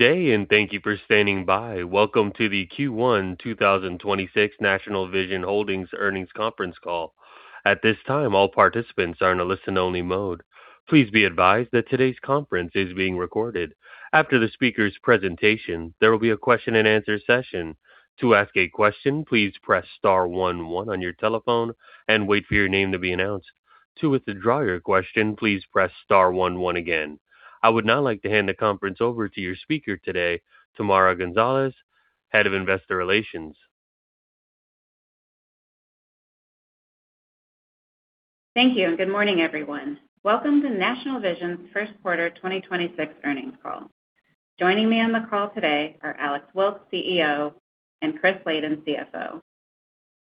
Day. Thank you for standing by. Welcome to the Q1 2026 National Vision Holdings earnings conference call. At this time, all participants are in a listen-only mode. Please be advised that today's conference is being recorded. After the speaker's presentation, there will be a question-and-answer session. To ask a question, please press star one one on your telephone and wait for your name to be announced. To withdraw your question, please press star one one again. I would now like to hand the conference over to your speaker today, Tamara Gonzalez, Head of Investor Relations. Thank you. Good morning, everyone. Welcome to National Vision's first quarter 2026 earnings call. Joining me on the call today are Alex Wilkes, CEO, and Chris Laden, CFO.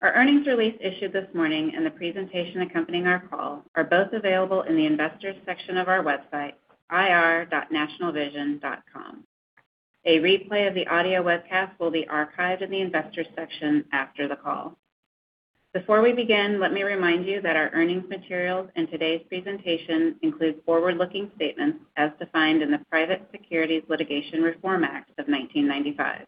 Our earnings release issued this morning and the presentation accompanying our call are both available in the Investors section of our website, ir.nationalvision.com. A replay of the audio webcast will be archived in the Investors section after the call. Before we begin, let me remind you that our earnings materials and today's presentation include forward-looking statements as defined in the Private Securities Litigation Reform Act of 1995.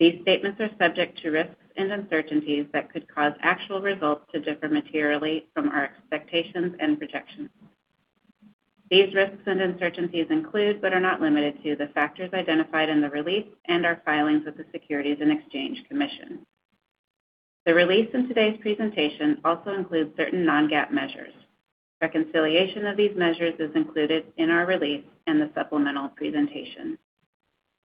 These statements are subject to risks and uncertainties that could cause actual results to differ materially from our expectations and projections. These risks and uncertainties include but are not limited to the factors identified in the release and our filings with the Securities and Exchange Commission. The release in today's presentation also includes certain non-GAAP measures. Reconciliation of these measures is included in our release and the supplemental presentation.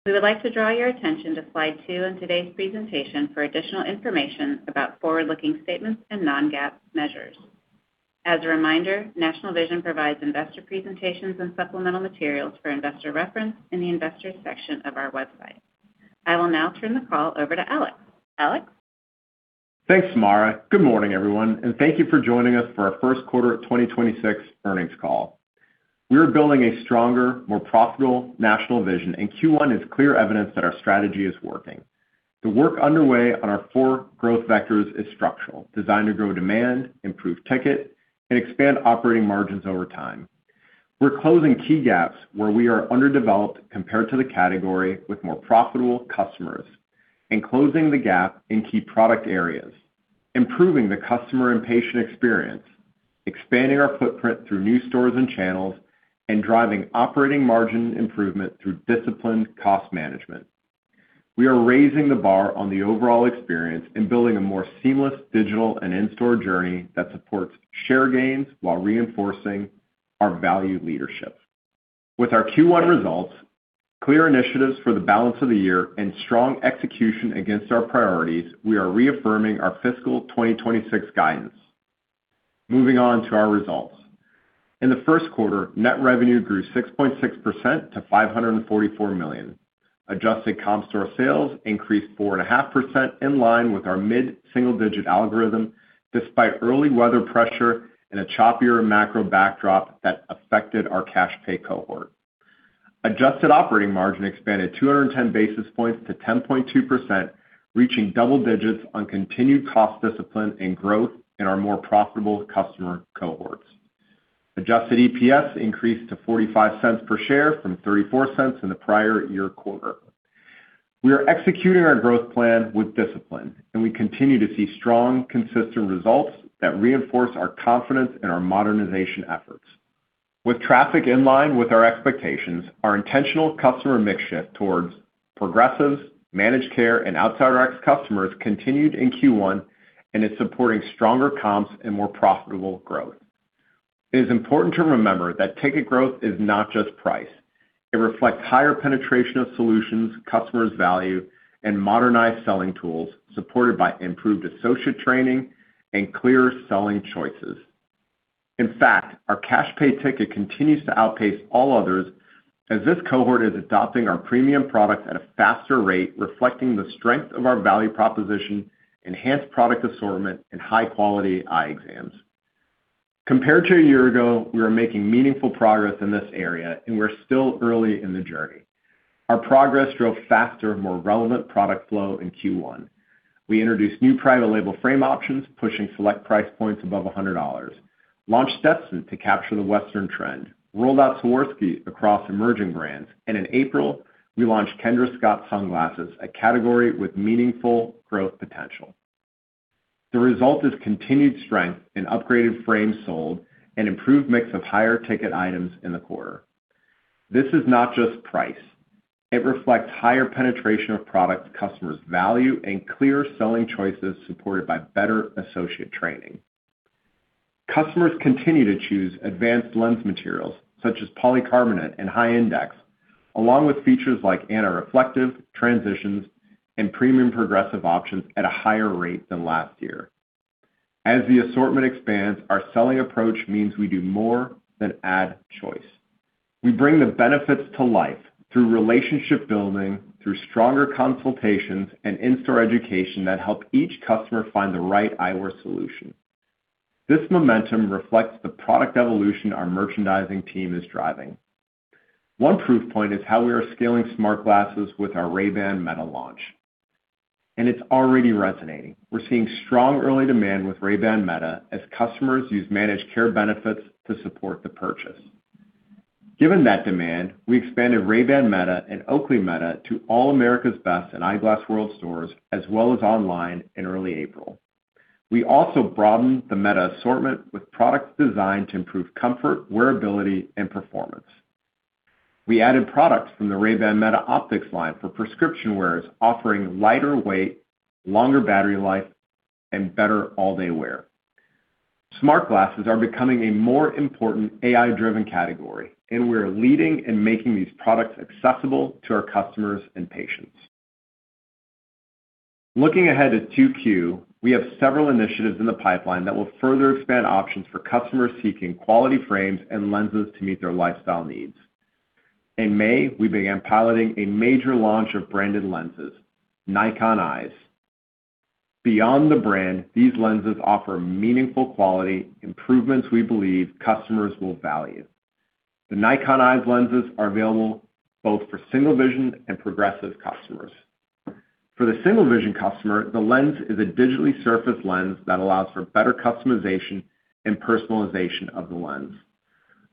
We would like to draw your attention to slide 2 in today's presentation for additional information about forward-looking statements and non-GAAP measures. As a reminder, National Vision provides investor presentations and supplemental materials for investor reference in the Investors section of our website. I will now turn the call over to Alex. Alex? Thanks, Tamara. Good morning, everyone, and thank you for joining us for our first quarter 2026 earnings call. We are building a stronger, more profitable National Vision. Q1 is clear evidence that our strategy is working. The work underway on our 4 growth vectors is structural, designed to grow demand, improve ticket, and expand operating margins over time. We're closing key gaps where we are underdeveloped compared to the category with more profitable customers and closing the gap in key product areas, improving the customer and patient experience, expanding our footprint through new stores and channels, and driving operating margin improvement through disciplined cost management. We are raising the bar on the overall experience and building a more seamless digital and in-store journey that supports share gains while reinforcing our value leadership. With our Q1 results, clear initiatives for the balance of the year, and strong execution against our priorities, we are reaffirming our fiscal 2026 guidance. Moving on to our results. In the first quarter, net revenue grew 6.6% to $544 million. Adjusted comp store sales increased 4.5% in line with our mid-single-digit algorithm despite early weather pressure and a choppier macro backdrop that affected our cash pay cohort. Adjusted operating margin expanded 210 basis points to 10.2%, reaching double digits on continued cost discipline and growth in our more profitable customer cohorts. Adjusted EPS increased to $0.45 per share from $0.34 in the prior year quarter. We are executing our growth plan with discipline, we continue to see strong, consistent results that reinforce our confidence in our modernization efforts. With traffic in line with our expectations, our intentional customer mix shift towards progressives, managed care, and outside RX customers continued in Q1 and is supporting stronger comps and more profitable growth. It is important to remember that ticket growth is not just price. It reflects higher penetration of solutions customers value and modernized selling tools supported by improved associate training and clear selling choices. In fact, our cash pay ticket continues to outpace all others as this cohort is adopting our premium products at a faster rate, reflecting the strength of our value proposition, enhanced product assortment, and high-quality eye exams. Compared to a year ago, we are making meaningful progress in this area, and we're still early in the journey. Our progress drove faster, more relevant product flow in Q1. We introduced new private label frame options, pushing select price points above $100, launched Stetson to capture the Western trend, rolled out Swarovski across emerging brands. In April, we launched Kendra Scott sunglasses, a category with meaningful growth potential. The result is continued strength in upgraded frames sold and improved mix of higher ticket items in the quarter. This is not just price. It reflects higher penetration of products customers value and clear selling choices supported by better associate training. Customers continue to choose advanced lens materials such as polycarbonate and high index, along with features like anti-reflective, Transitions, and premium progressive options at a higher rate than last year. As the assortment expands, our selling approach means we do more than add choice. We bring the benefits to life through relationship building, through stronger consultations and in-store education that help each customer find the right eyewear solution. This momentum reflects the product evolution our merchandising team is driving. One proof point is how we are scaling smart glasses with our Ray-Ban Meta launch. It's already resonating. We're seeing strong early demand with Ray-Ban Meta as customers use managed care benefits to support the purchase. Given that demand, we expanded Ray-Ban Meta and Oakley Meta to all America's Best and Eyeglass World stores, as well as online in early April. We also broadened the Meta assortment with products designed to improve comfort, wearability, and performance. We added products from the Ray-Ban Meta optics line for prescription wearers, offering lighter weight, longer battery life, and better all-day wear. Smart glasses are becoming a more important AI-driven category, and we are leading in making these products accessible to our customers and patients. Looking ahead to 2Q, we have several initiatives in the pipeline that will further expand options for customers seeking quality frames and lenses to meet their lifestyle needs. In May, we began piloting a major launch of branded lenses, Nikon Lenswear. Beyond the brand, these lenses offer meaningful quality improvements we believe customers will value. The Nikon Lenswear lenses are available both for single vision and progressive customers. For the single vision customer, the lens is a digitally surfaced lens that allows for better customization and personalization of the lens.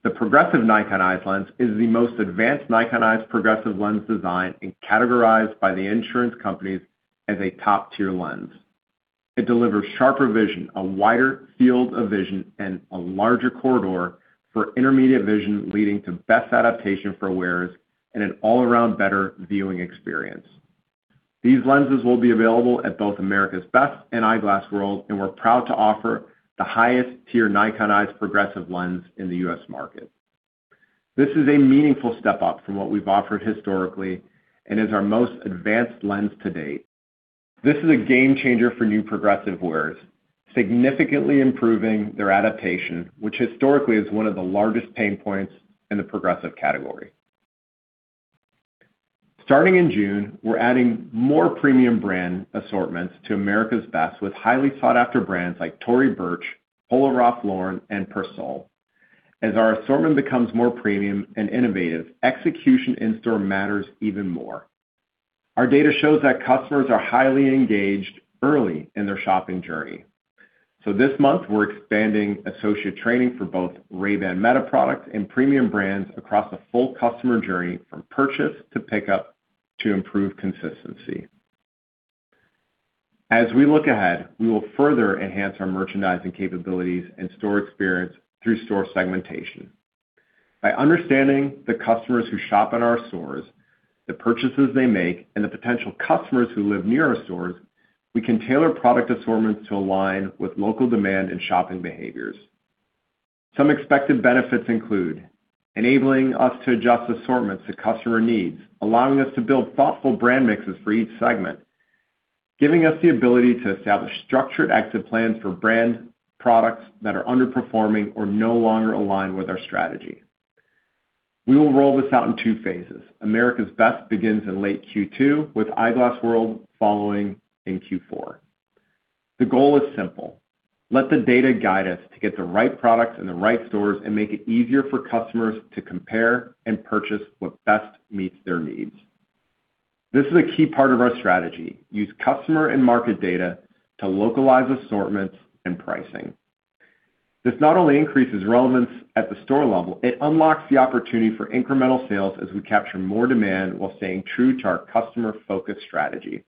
The progressive Nikon Lenswear lens is the most advanced Nikon Lenswear progressive lens design and categorized by the insurance companies as a top-tier lens. It delivers sharper vision, a wider field of vision, and a larger corridor for intermediate vision, leading to best adaptation for wearers and an all-around better viewing experience. These lenses will be available at both America's Best and Eyeglass World, and we're proud to offer the highest tier Nikon Lenswear progressive lens in the U.S. market. This is a meaningful step up from what we've offered historically and is our most advanced lens to date. This is a game changer for new progressive wearers, significantly improving their adaptation, which historically is one of the largest pain points in the progressive category. Starting in June, we're adding more premium brand assortments to America's Best with highly sought-after brands like Tory Burch, Polo Ralph Lauren, and Persol. As our assortment becomes more premium and innovative, execution in-store matters even more. Our data shows that customers are highly engaged early in their shopping journey. This month, we're expanding associate training for both Ray-Ban Meta products and premium brands across the full customer journey from purchase to pickup to improve consistency. As we look ahead, we will further enhance our merchandising capabilities and store experience through store segmentation. By understanding the customers who shop at our stores, the purchases they make, and the potential customers who live near our stores, we can tailor product assortments to align with local demand and shopping behaviors. Some expected benefits include enabling us to adjust assortments to customer needs, allowing us to build thoughtful brand mixes for each segment, giving us the ability to establish structured exit plans for brand products that are underperforming or no longer align with our strategy. We will roll this out in 2 phases. America's Best begins in late Q2, with Eyeglass World following in Q4. The goal is simple, let the data guide us to get the right products in the right stores and make it easier for customers to compare and purchase what best meets their needs. This is a key part of our strategy, use customer and market data to localize assortments and pricing. This not only increases relevance at the store level, it unlocks the opportunity for incremental sales as we capture more demand while staying true to our customer-focused strategy.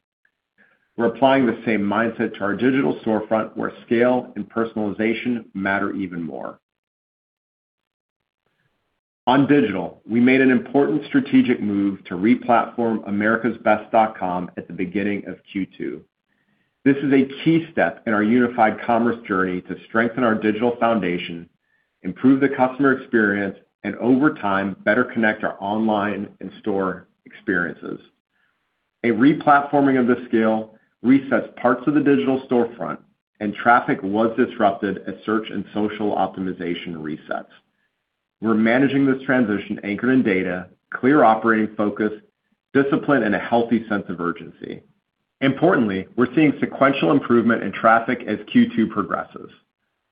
We're applying the same mindset to our digital storefront where scale and personalization matter even more. On digital, we made an important strategic move to re-platform americasbest.com at the beginning of Q2. This is a key step in our unified commerce journey to strengthen our digital foundation, improve the customer experience, and over time, better connect our online and store experiences. A re-platforming of this scale resets parts of the digital storefront, and traffic was disrupted as search and social optimization resets. We're managing this transition anchored in data, clear operating focus, discipline, and a healthy sense of urgency. Importantly, we're seeing sequential improvement in traffic as Q2 progresses.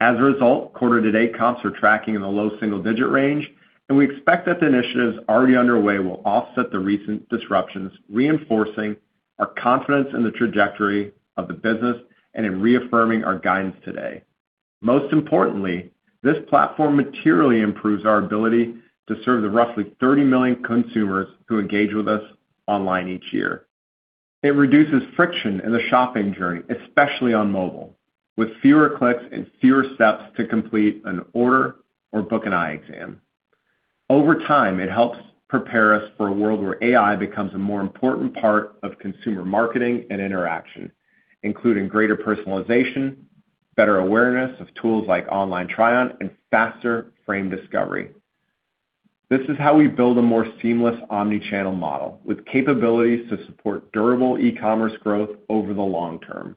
As a result, quarter-to-date comps are tracking in the low single-digit range, and we expect that the initiatives already underway will offset the recent disruptions, reinforcing our confidence in the trajectory of the business and in reaffirming our guidance today. Most importantly, this platform materially improves our ability to serve the roughly 30 million consumers who engage with us online each year. It reduces friction in the shopping journey, especially on mobile, with fewer clicks and fewer steps to complete an order or book an eye exam. Over time, it helps prepare us for a world where AI becomes a more important part of consumer marketing and interaction, including greater personalization, better awareness of tools like online try-on, and faster frame discovery. This is how we build a more seamless omni-channel model with capabilities to support durable e-commerce growth over the long term.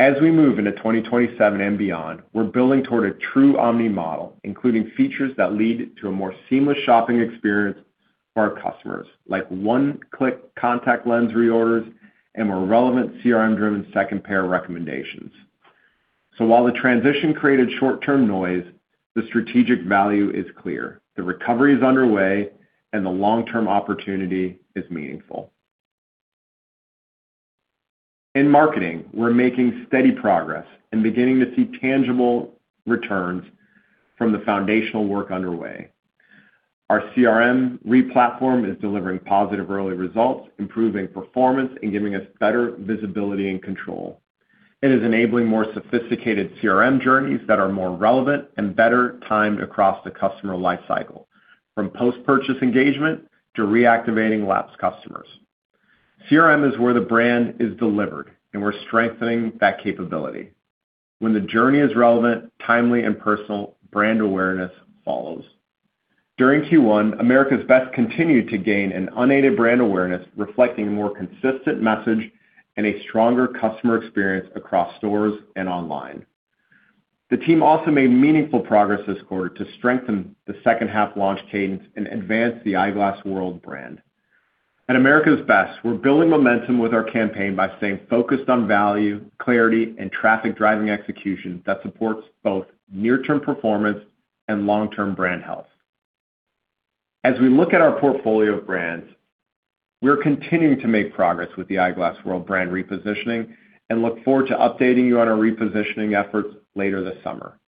As we move into 2027 and beyond, we're building toward a true omni model, including features that lead to a more seamless shopping experience for our customers, like one-click contact lens reorders and more relevant CRM-driven second pair recommendations. While the transition created short-term noise, the strategic value is clear. The recovery is underway and the long-term opportunity is meaningful. In marketing, we're making steady progress and beginning to see tangible returns from the foundational work underway. Our CRM replatform is delivering positive early results, improving performance, and giving us better visibility and control. It is enabling more sophisticated CRM journeys that are more relevant and better timed across the customer life cycle, from post-purchase engagement to reactivating lapsed customers. CRM is where the brand is delivered, and we're strengthening that capability. When the journey is relevant, timely, and personal, brand awareness follows. During Q1, America's Best continued to gain an unaided brand awareness, reflecting a more consistent message and a stronger customer experience across stores and online. The team also made meaningful progress this quarter to strengthen the second half launch cadence and advance the Eyeglass World brand. At America's Best, we're building momentum with our campaign by staying focused on value, clarity, and traffic-driving execution that supports both near-term performance and long-term brand health. As we look at our portfolio of brands, we're continuing to make progress with the Eyeglass World brand repositioning and look forward to updating you on our repositioning efforts later this summer.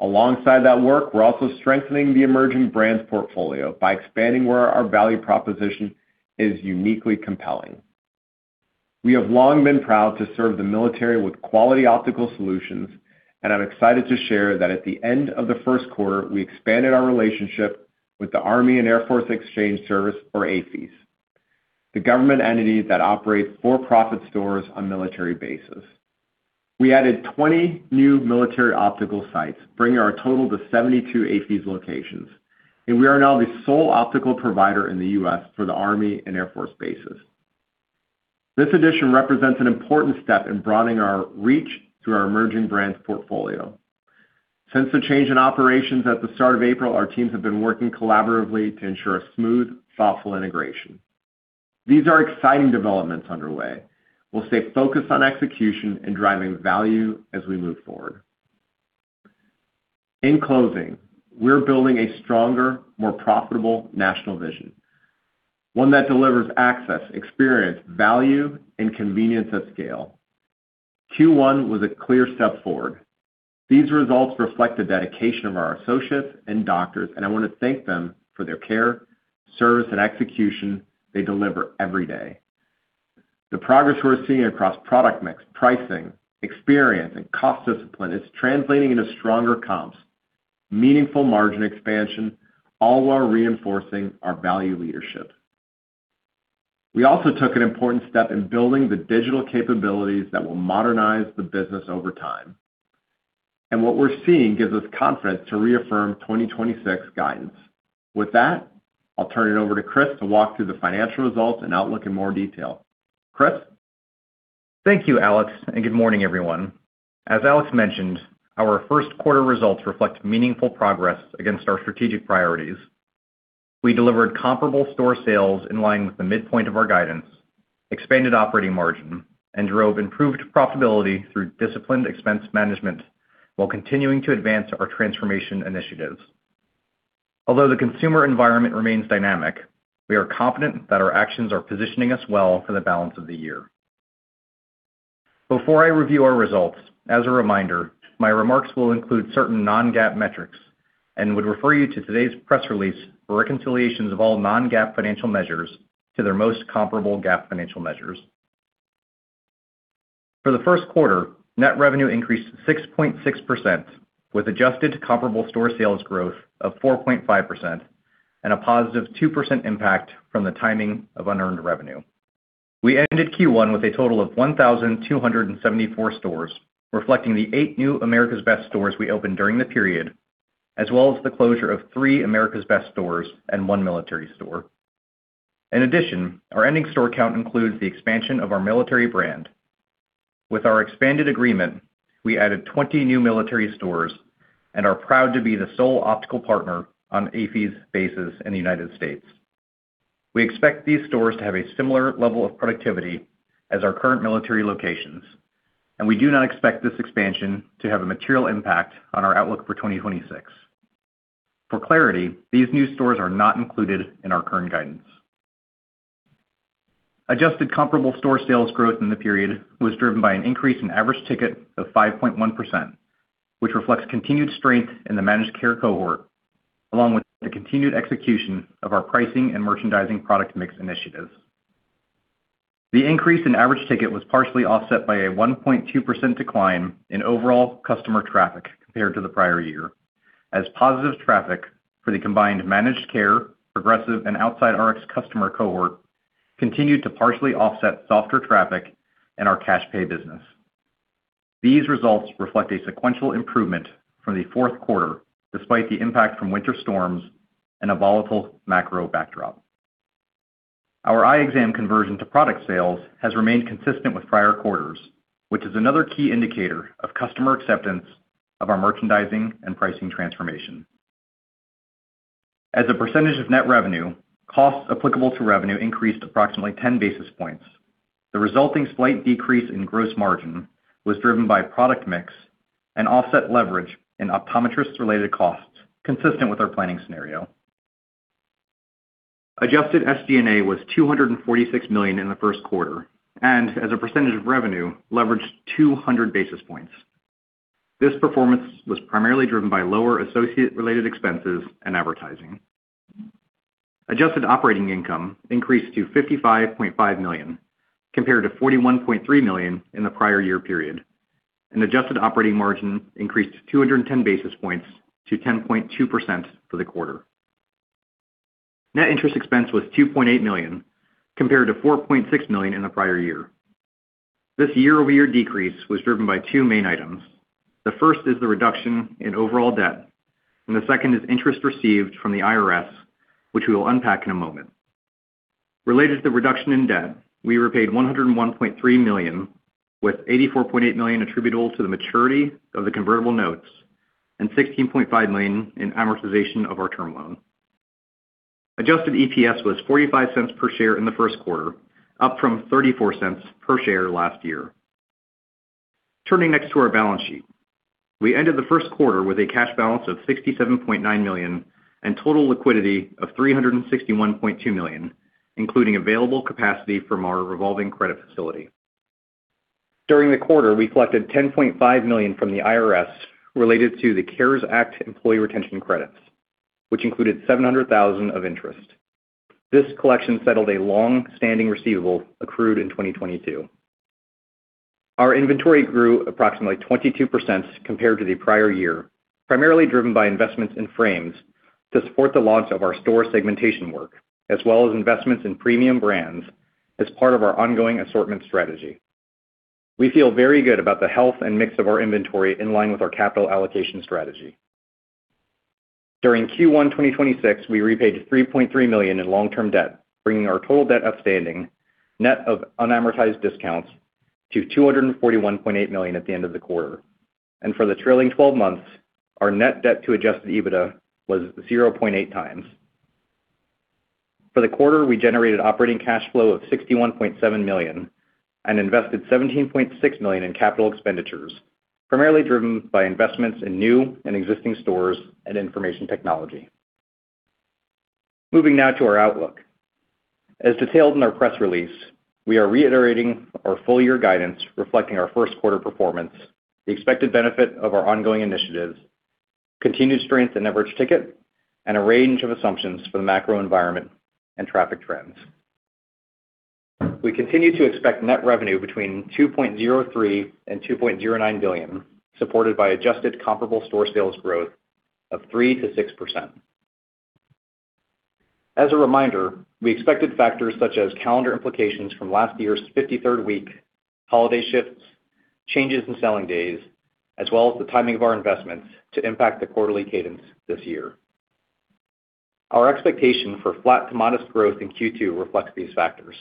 Alongside that work, we're also strengthening the emerging brands portfolio by expanding where our value proposition is uniquely compelling. We have long been proud to serve the military with quality optical solutions. I'm excited to share that at the end of the first quarter, we expanded our relationship with the Army and Air Force Exchange Service or AAFES, the government entity that operates for-profit stores on military bases. We added 20 new military optical sites, bringing our total to 72 AAFES locations, and we are now the sole optical provider in the U.S. for the Army and Air Force bases. This addition represents an important step in broadening our reach through our emerging brands portfolio. Since the change in operations at the start of April, our teams have been working collaboratively to ensure a smooth, thoughtful integration. These are exciting developments underway. We'll stay focused on execution and driving value as we move forward. In closing, we're building a stronger, more profitable National Vision, one that delivers access, experience, value, and convenience at scale. Q1 was a clear step forward. These results reflect the dedication of our associates and doctors, and I want to thank them for their care, service, and execution they deliver every day. The progress we're seeing across product mix, pricing, experience, and cost discipline is translating into stronger comps, meaningful margin expansion, all while reinforcing our value leadership. We also took an important step in building the digital capabilities that will modernize the business over time, and what we're seeing gives us confidence to reaffirm 2026 guidance. With that, I'll turn it over to Chris to walk through the financial results and outlook in more detail. Chris? Thank you, Alex, and good morning, everyone. As Alex mentioned, our first quarter results reflect meaningful progress against our strategic priorities. We delivered comparable store sales in line with the midpoint of our guidance, expanded operating margin, and drove improved profitability through disciplined expense management while continuing to advance our transformation initiatives. Although the consumer environment remains dynamic, we are confident that our actions are positioning us well for the balance of the year. Before I review our results, as a reminder, my remarks will include certain non-GAAP metrics and would refer you to today's press release for reconciliations of all non-GAAP financial measures to their most comparable GAAP financial measures. For the first quarter, net revenue increased 6.6% with adjusted comparable store sales growth of 4.5% and a positive 2% impact from the timing of unearned revenue. We ended Q1 with a total of 1,274 stores, reflecting the 8 new America's Best stores we opened during the period, as well as the closure of 3 America's Best stores and 1 military store. In addition, our ending store count includes the expansion of our military brand. With our expanded agreement, we added 20 new military stores and are proud to be the sole optical partner on AAFES bases in the United States. We expect these stores to have a similar level of productivity as our current military locations, and we do not expect this expansion to have a material impact on our outlook for 2026. For clarity, these new stores are not included in our current guidance. Adjusted comparable store sales growth in the period was driven by an increase in average ticket of 5.1%, which reflects continued strength in the managed care cohort, along with the continued execution of our pricing and merchandising product mix initiatives. The increase in average ticket was partially offset by a 1.2% decline in overall customer traffic compared to the prior year, as positive traffic for the combined managed care, progressive, and outside RX customer cohort continued to partially offset softer traffic in our cash pay business. These results reflect a sequential improvement from the fourth quarter, despite the impact from winter storms and a volatile macro backdrop. Our eye exam conversion to product sales has remained consistent with prior quarters, which is another key indicator of customer acceptance of our merchandising and pricing transformation. As a % of net revenue, costs applicable to revenue increased approximately 10 basis points. The resulting slight decrease in gross margin was driven by product mix and offset leverage in optometrists related costs consistent with our planning scenario. Adjusted SG&A was $246 million in the first quarter, and as a % of revenue, leveraged 200 basis points. This performance was primarily driven by lower associate related expenses and advertising. Adjusted operating income increased to $55.5 million compared to $41.3 million in the prior year period, and adjusted operating margin increased 210 basis points to 10.2% for the quarter. Net interest expense was $2.8 million compared to $4.6 million in the prior year. This year-over-year decrease was driven by two main items. The first is the reduction in overall debt, and the second is interest received from the IRS, which we will unpack in a moment. Related to the reduction in debt, we repaid $101.3 million, with $84.8 million attributable to the maturity of the convertible notes and $16.5 million in amortization of our term loan. Adjusted EPS was $0.45 per share in the first quarter, up from $0.34 per share last year. Turning next to our balance sheet. We ended the first quarter with a cash balance of $67.9 million and total liquidity of $361.2 million, including available capacity from our revolving credit facility. During the quarter, we collected $10.5 million from the IRS related to the CARES Act employee retention credits, which included $700,000 of interest. This collection settled a long-standing receivable accrued in 2022. Our inventory grew approximately 22% compared to the prior year, primarily driven by investments in frames to support the launch of our store segmentation work, as well as investments in premium brands as part of our ongoing assortment strategy. We feel very good about the health and mix of our inventory in line with our capital allocation strategy. During Q1 2026, we repaid $3.3 million in long-term debt, bringing our total debt outstanding net of unamortized discounts to $241.8 million at the end of the quarter. For the trailing 12 months, our net debt to Adjusted EBITDA was 0.8x. For the quarter, we generated operating cash flow of $61.7 million and invested $17.6 million in capital expenditures, primarily driven by investments in new and existing stores and information technology. Moving now to our outlook. As detailed in our press release, we are reiterating our full year guidance reflecting our first quarter performance, the expected benefit of our ongoing initiatives, continued strength in average ticket, and a range of assumptions for the macro environment and traffic trends. We continue to expect net revenue between $2.03 billion and $2.09 billion, supported by adjusted comparable store sales growth of 3%-6%. As a reminder, we expected factors such as calendar implications from last year's 53rd week, holiday shifts, changes in selling days, as well as the timing of our investments to impact the quarterly cadence this year. Our expectation for flat to modest growth in Q2 reflects these factors.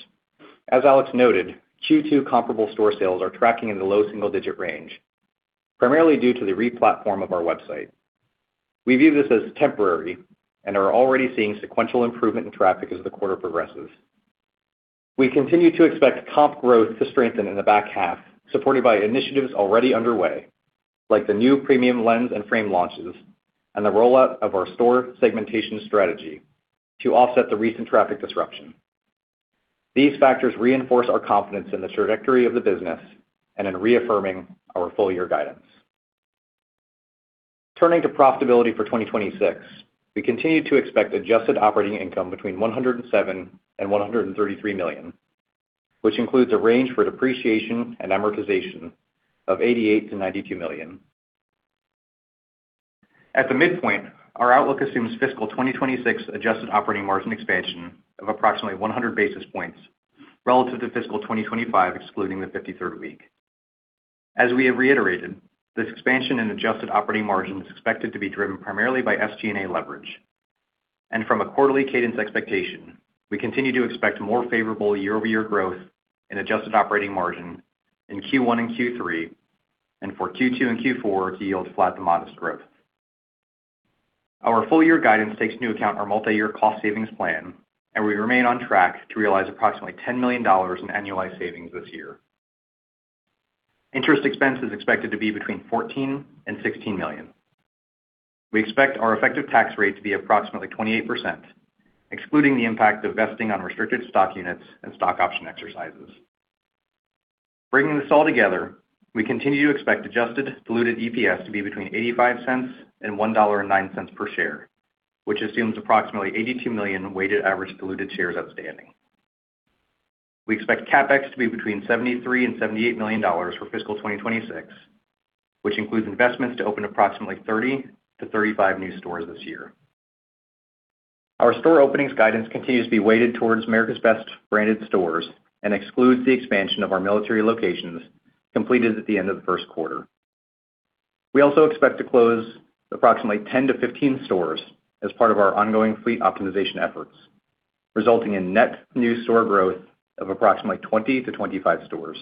As Alex noted, Q2 comparable store sales are tracking in the low single-digit range, primarily due to the replatform of our website. We view this as temporary and are already seeing sequential improvement in traffic as the quarter progresses. We continue to expect comp growth to strengthen in the back half, supported by initiatives already underway, like the new premium lens and frame launches and the rollout of our store segmentation strategy to offset the recent traffic disruption. These factors reinforce our confidence in the trajectory of the business and in reaffirming our full year guidance. Turning to profitability for 2026, we continue to expect adjusted operating income between $107 million and $133 million, which includes a range for depreciation and amortization of $88 million to $92 million. At the midpoint, our outlook assumes fiscal 2026 Adjusted Operating Margin expansion of approximately 100 basis points relative to fiscal 2025, excluding the 53rd week. As we have reiterated, this expansion in Adjusted Operating Margin is expected to be driven primarily by SG&A leverage. From a quarterly cadence expectation, we continue to expect more favorable year-over-year growth in Adjusted Operating Margin in Q1 and Q3, and for Q2 and Q4 to yield flat to modest growth. Our full year guidance takes into account our multi-year cost savings plan, and we remain on track to realize approximately $10 million in annualized savings this year. Interest expense is expected to be between $14 million and $16 million. We expect our effective tax rate to be approximately 28%, excluding the impact of vesting on restricted stock units and stock option exercises. Bringing this all together, we continue to expect Adjusted diluted EPS to be between $0.85 and $1.09 per share, which assumes approximately 82 million weighted average diluted shares outstanding. We expect CapEx to be between $73 million-$78 million for fiscal 2026, which includes investments to open approximately 30-35 new stores this year. Our store openings guidance continues to be weighted towards America's Best branded stores and excludes the expansion of our military locations completed at the end of the first quarter. We also expect to close approximately 10-15 stores as part of our ongoing fleet optimization efforts, resulting in net new store growth of approximately 20-25 stores.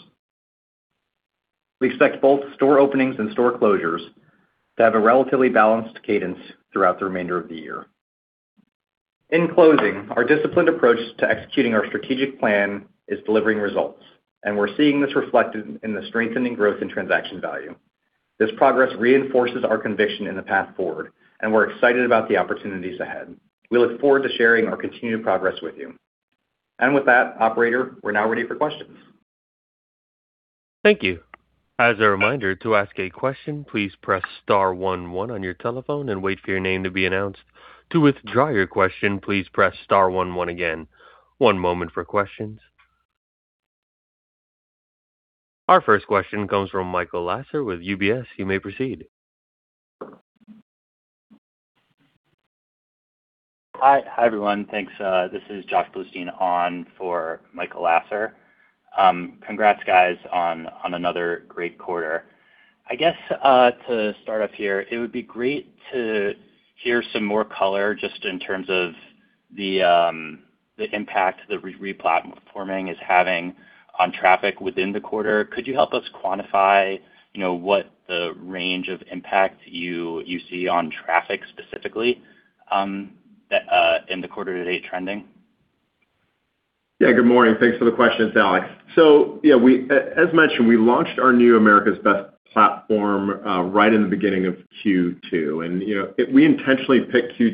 We expect both store openings and store closures to have a relatively balanced cadence throughout the remainder of the year. In closing, our disciplined approach to executing our strategic plan is delivering results, and we're seeing this reflected in the strengthening growth in transaction value. This progress reinforces our conviction in the path forward, and we're excited about the opportunities ahead. We look forward to sharing our continued progress with you. With that, operator, we're now ready for questions. Thank you. As a reminder, to ask a question, please press star one one on your telephone and wait for your name to be announced. To withdraw your question, please press star one one again. One moment for questions. Our first question comes from Michael Lasser with UBS. You may proceed. Hi. Hi, everyone. Thanks. This is Josh Bleustein on for Michael Lasser. Congrats guys on another great quarter. I guess, to start off here, it would be great to hear some more color just in terms of the impact the replatforming is having on traffic within the quarter. Could you help us quantify, you know, what the range of impact you see on traffic specifically, that in the quarter to date trending? Good morning. Thanks for the questions, it's Alex. As mentioned, we launched our new America's Best platform right in the beginning of Q2. You know, we intentionally picked Q2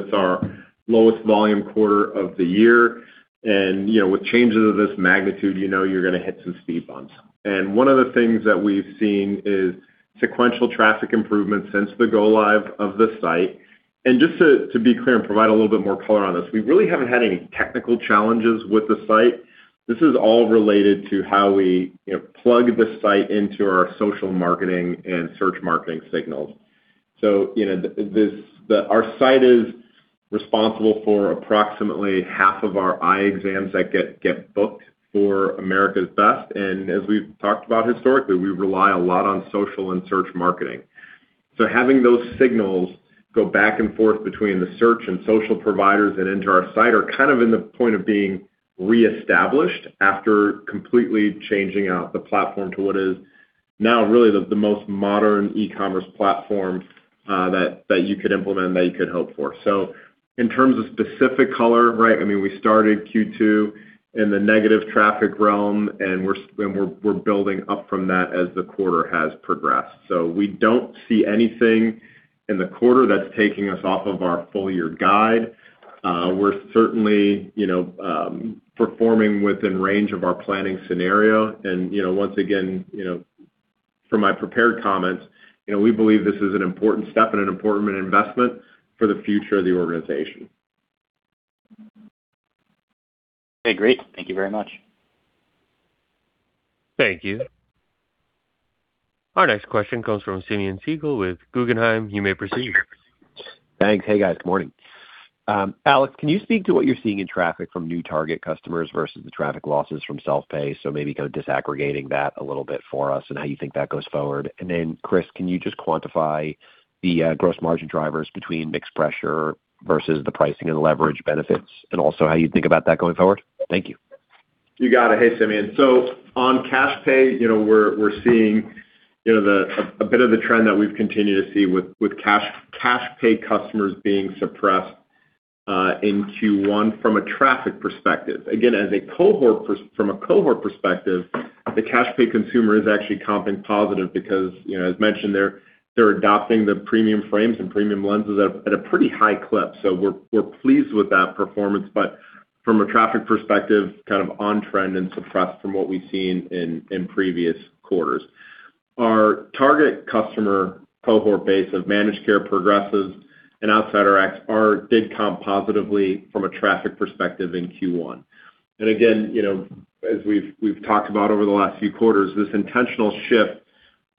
as it's our lowest volume quarter of the year. You know, with changes of this magnitude, you know you're gonna hit some speed bumps. One of the things that we've seen is sequential traffic improvements since the go live of the site. Just to be clear and provide a little bit more color on this, we really haven't had any technical challenges with the site. This is all related to how we, you know, plug the site into our social marketing and search marketing signals. You know, our site is responsible for approximately half of our eye exams that get booked for America's Best. As we've talked about historically, we rely a lot on social and search marketing. Having those signals go back and forth between the search and social providers and into our site are kind of in the point of being reestablished after completely changing out the platform to what is now really the most modern e-commerce platform that you could implement, that you could hope for. In terms of specific color, right? I mean, we started Q2 in the negative traffic realm, and we're building up from that as the quarter has progressed. We don't see anything in the quarter that's taking us off of our full year guide. We're certainly, you know, performing within range of our planning scenario. You know, once again, you know, from my prepared comments, you know, we believe this is an important step and an important investment for the future of the organization. Okay, great. Thank you very much. Thank you. Our next question comes from Simeon Siegel with Guggenheim. You may proceed. Thanks. Hey, guys. Good morning. Alex, can you speak to what you're seeing in traffic from new target customers versus the traffic losses from self-pay? Maybe kind of disaggregating that a little bit for us and how you think that goes forward. Chris, can you just quantify the gross margin drivers between mixed pressure versus the pricing and leverage benefits and also how you think about that going forward? Thank you. You got it. Hey, Simeon. On cash pay, you know, we're seeing, you know, a bit of a trend that we've continued to see with cash pay customers being suppressed in Q1 from a traffic perspective. Again, as a cohort from a cohort perspective, the cash pay consumer is actually comping positive because, you know, as mentioned, they're adopting the premium frames and premium lenses at a pretty high clip. We're pleased with that performance. From a traffic perspective, kind of on trend and suppressed from what we've seen in previous quarters. Our target customer cohort base of managed care progresses and outside RX did comp positively from a traffic perspective in Q1. Again, you know, as we've talked about over the last few quarters, this intentional shift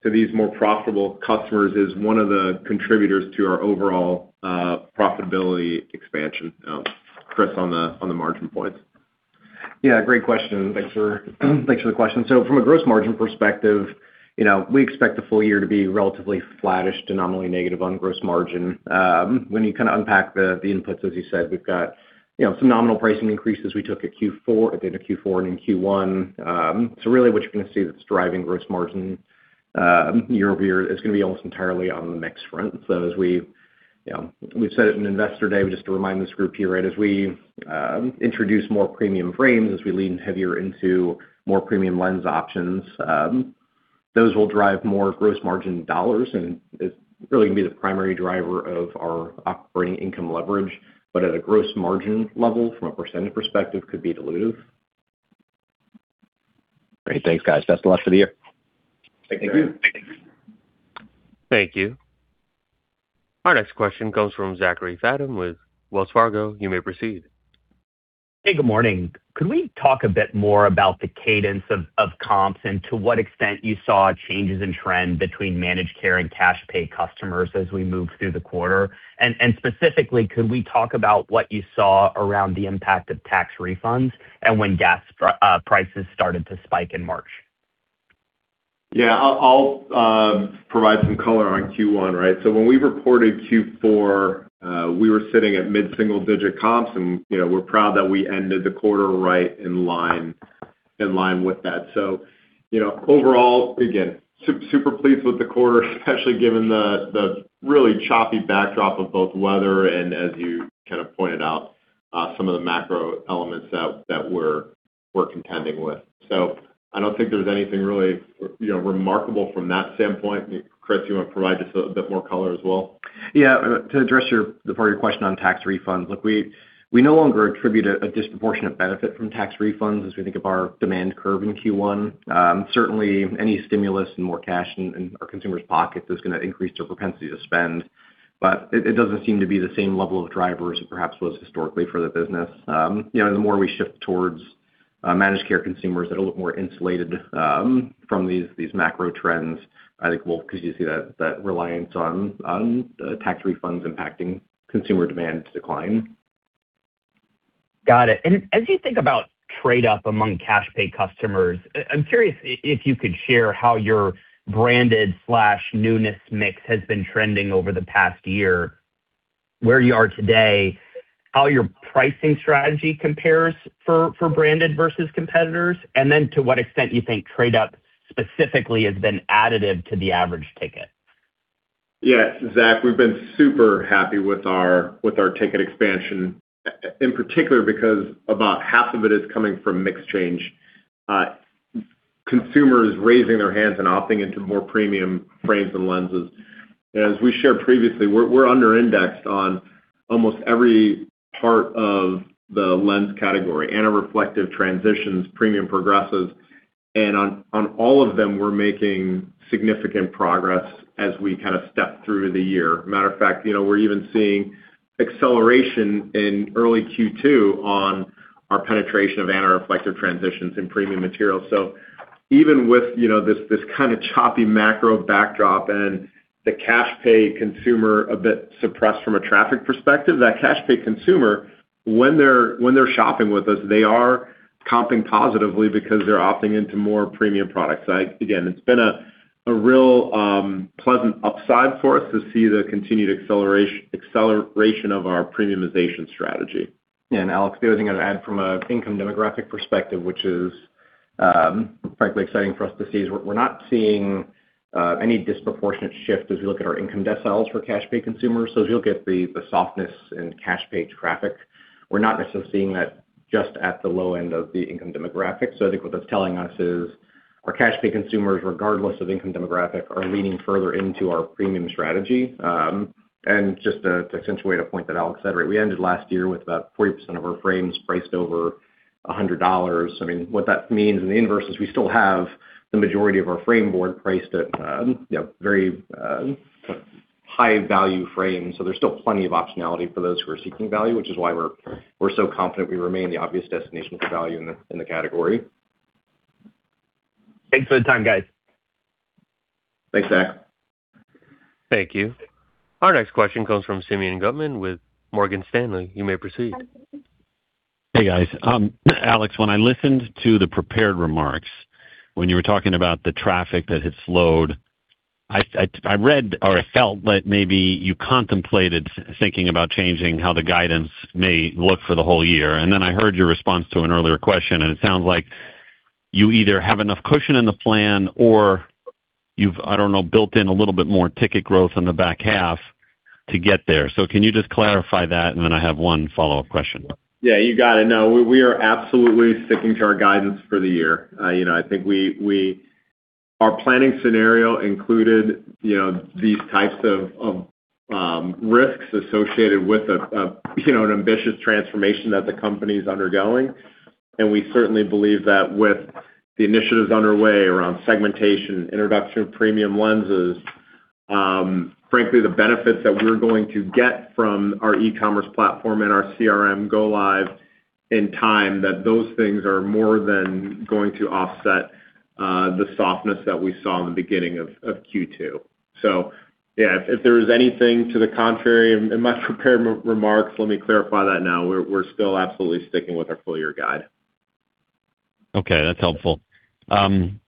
to these more profitable customers is one of the contributors to our overall profitability expansion. Chris, on the margin points. Yeah, great question. Thanks for the question. From a gross margin perspective, you know, we expect the full year to be relatively flattish to nominally negative on gross margin. When you kinda unpack the inputs, as you said, we've got, you know, some nominal pricing increases we took at the end of Q4 and in Q1. Really what you're gonna see that's driving gross margin year-over-year is gonna be almost entirely on the mix front. As we, you know, we've said it in Investor Day, but just to remind this group here, right? As we introduce more premium frames, as we lean heavier into more premium lens options, those will drive more gross margin dollars, and it's really gonna be the primary driver of our operating income leverage. At a gross margin level, from a % perspective, could be dilutive. Great. Thanks, guys. Best of luck for the year. Thank you. Thank you. Thank you. Our next question comes from Zachary Fadem with Wells Fargo. You may proceed. Hey, good morning. Could we talk a bit more about the cadence of comps and to what extent you saw changes in trend between managed care and cash pay customers as we moved through the quarter? Specifically, could we talk about what you saw around the impact of tax refunds and when gas prices started to spike in March? Yeah, I'll provide some color on Q1, right? When we reported Q4, we were sitting at mid-single digit comps, and you know, we're proud that we ended the quarter right in line with that. You know, overall, again, super pleased with the quarter, especially given the really choppy backdrop of both weather and as you kind of pointed out, some of the macro elements that we're contending with. I don't think there's anything really, you know, remarkable from that standpoint. Chris, you wanna provide just a bit more color as well? Yeah. To address the part of your question on tax refunds, look, we no longer attribute a disproportionate benefit from tax refunds as we think of our demand curve in Q1. Certainly any stimulus and more cash in our consumers' pockets is gonna increase their propensity to spend. It doesn't seem to be the same level of drivers it perhaps was historically for the business. You know, the more we shift towards managed care consumers that are a little more insulated from these macro trends, I think we'll continuously see that reliance on tax refunds impacting consumer demand decline. Got it. As you think about trade-up among cash pay customers, I'm curious if you could share how your branded/newness mix has been trending over the past year, where you are today, how your pricing strategy compares for branded versus competitors, to what extent you think trade-up specifically has been additive to the average ticket. Yeah, Zach, we've been super happy with our ticket expansion, in particular because about half of it is coming from mix change. Consumers raising their hands and opting into more premium frames and lenses. As we shared previously, we're under indexed on almost every part of the lens category, anti-reflective Transitions, premium progressives. On all of them, we're making significant progress as we kind of step through the year. Matter of fact, you know, we're even seeing acceleration in early Q2 on our penetration of anti-reflective Transitions in premium materials. Even with, you know, this kinda choppy macro backdrop and the cash pay consumer a bit suppressed from a traffic perspective, that cash pay consumer, when they're shopping with us, they are comping positively because they're opting into more premium products. Again, it's been a real pleasant upside for us to see the continued acceleration of our premiumization strategy. Alex, the other thing I'd add from an income demographic perspective, which is frankly exciting for us to see, is we're not seeing any disproportionate shift as we look at our income deciles for cash-pay consumers. As you look at the softness in cash-pay traffic, we're not necessarily seeing that just at the low end of the income demographic. I think what that's telling us is our cash-pay consumers, regardless of income demographic, are leaning further into our premium strategy. Just to accentuate a point that Alex said, right, we ended last year with about 40% of our frames priced over $100. I mean, what that means in the inverse is we still have the majority of our frame board priced at very high-value frames. There's still plenty of optionality for those who are seeking value, which is why we're so confident we remain the obvious destination for value in the category. Thanks for the time, guys. Thanks, Zach. Thank you. Our next question comes from Simeon Gutman with Morgan Stanley. You may proceed. Hey, guys. Alex, when I listened to the prepared remarks, when you were talking about the traffic that had slowed, I read or I felt that maybe you contemplated thinking about changing how the guidance may look for the whole year. Then I heard your response to an earlier question, and it sounds like you either have enough cushion in the plan or you've, I don't know, built in a little bit more ticket growth on the back half to get there. Can you just clarify that? Then I have one follow-up question. Yeah, you got it. No, we are absolutely sticking to our guidance for the year. you know, I think Our planning scenario included, you know, these types of risks associated with an ambitious transformation that the company is undergoing. We certainly believe that with the initiatives underway around segmentation, introduction of premium lenses, frankly, the benefits that we're going to get from our e-commerce platform and our CRM go live in time, that those things are more than going to offset the softness that we saw in the beginning of Q2. Yeah, if there was anything to the contrary in my prepared remarks, let me clarify that now. We're still absolutely sticking with our full year guide. Okay, that's helpful. 2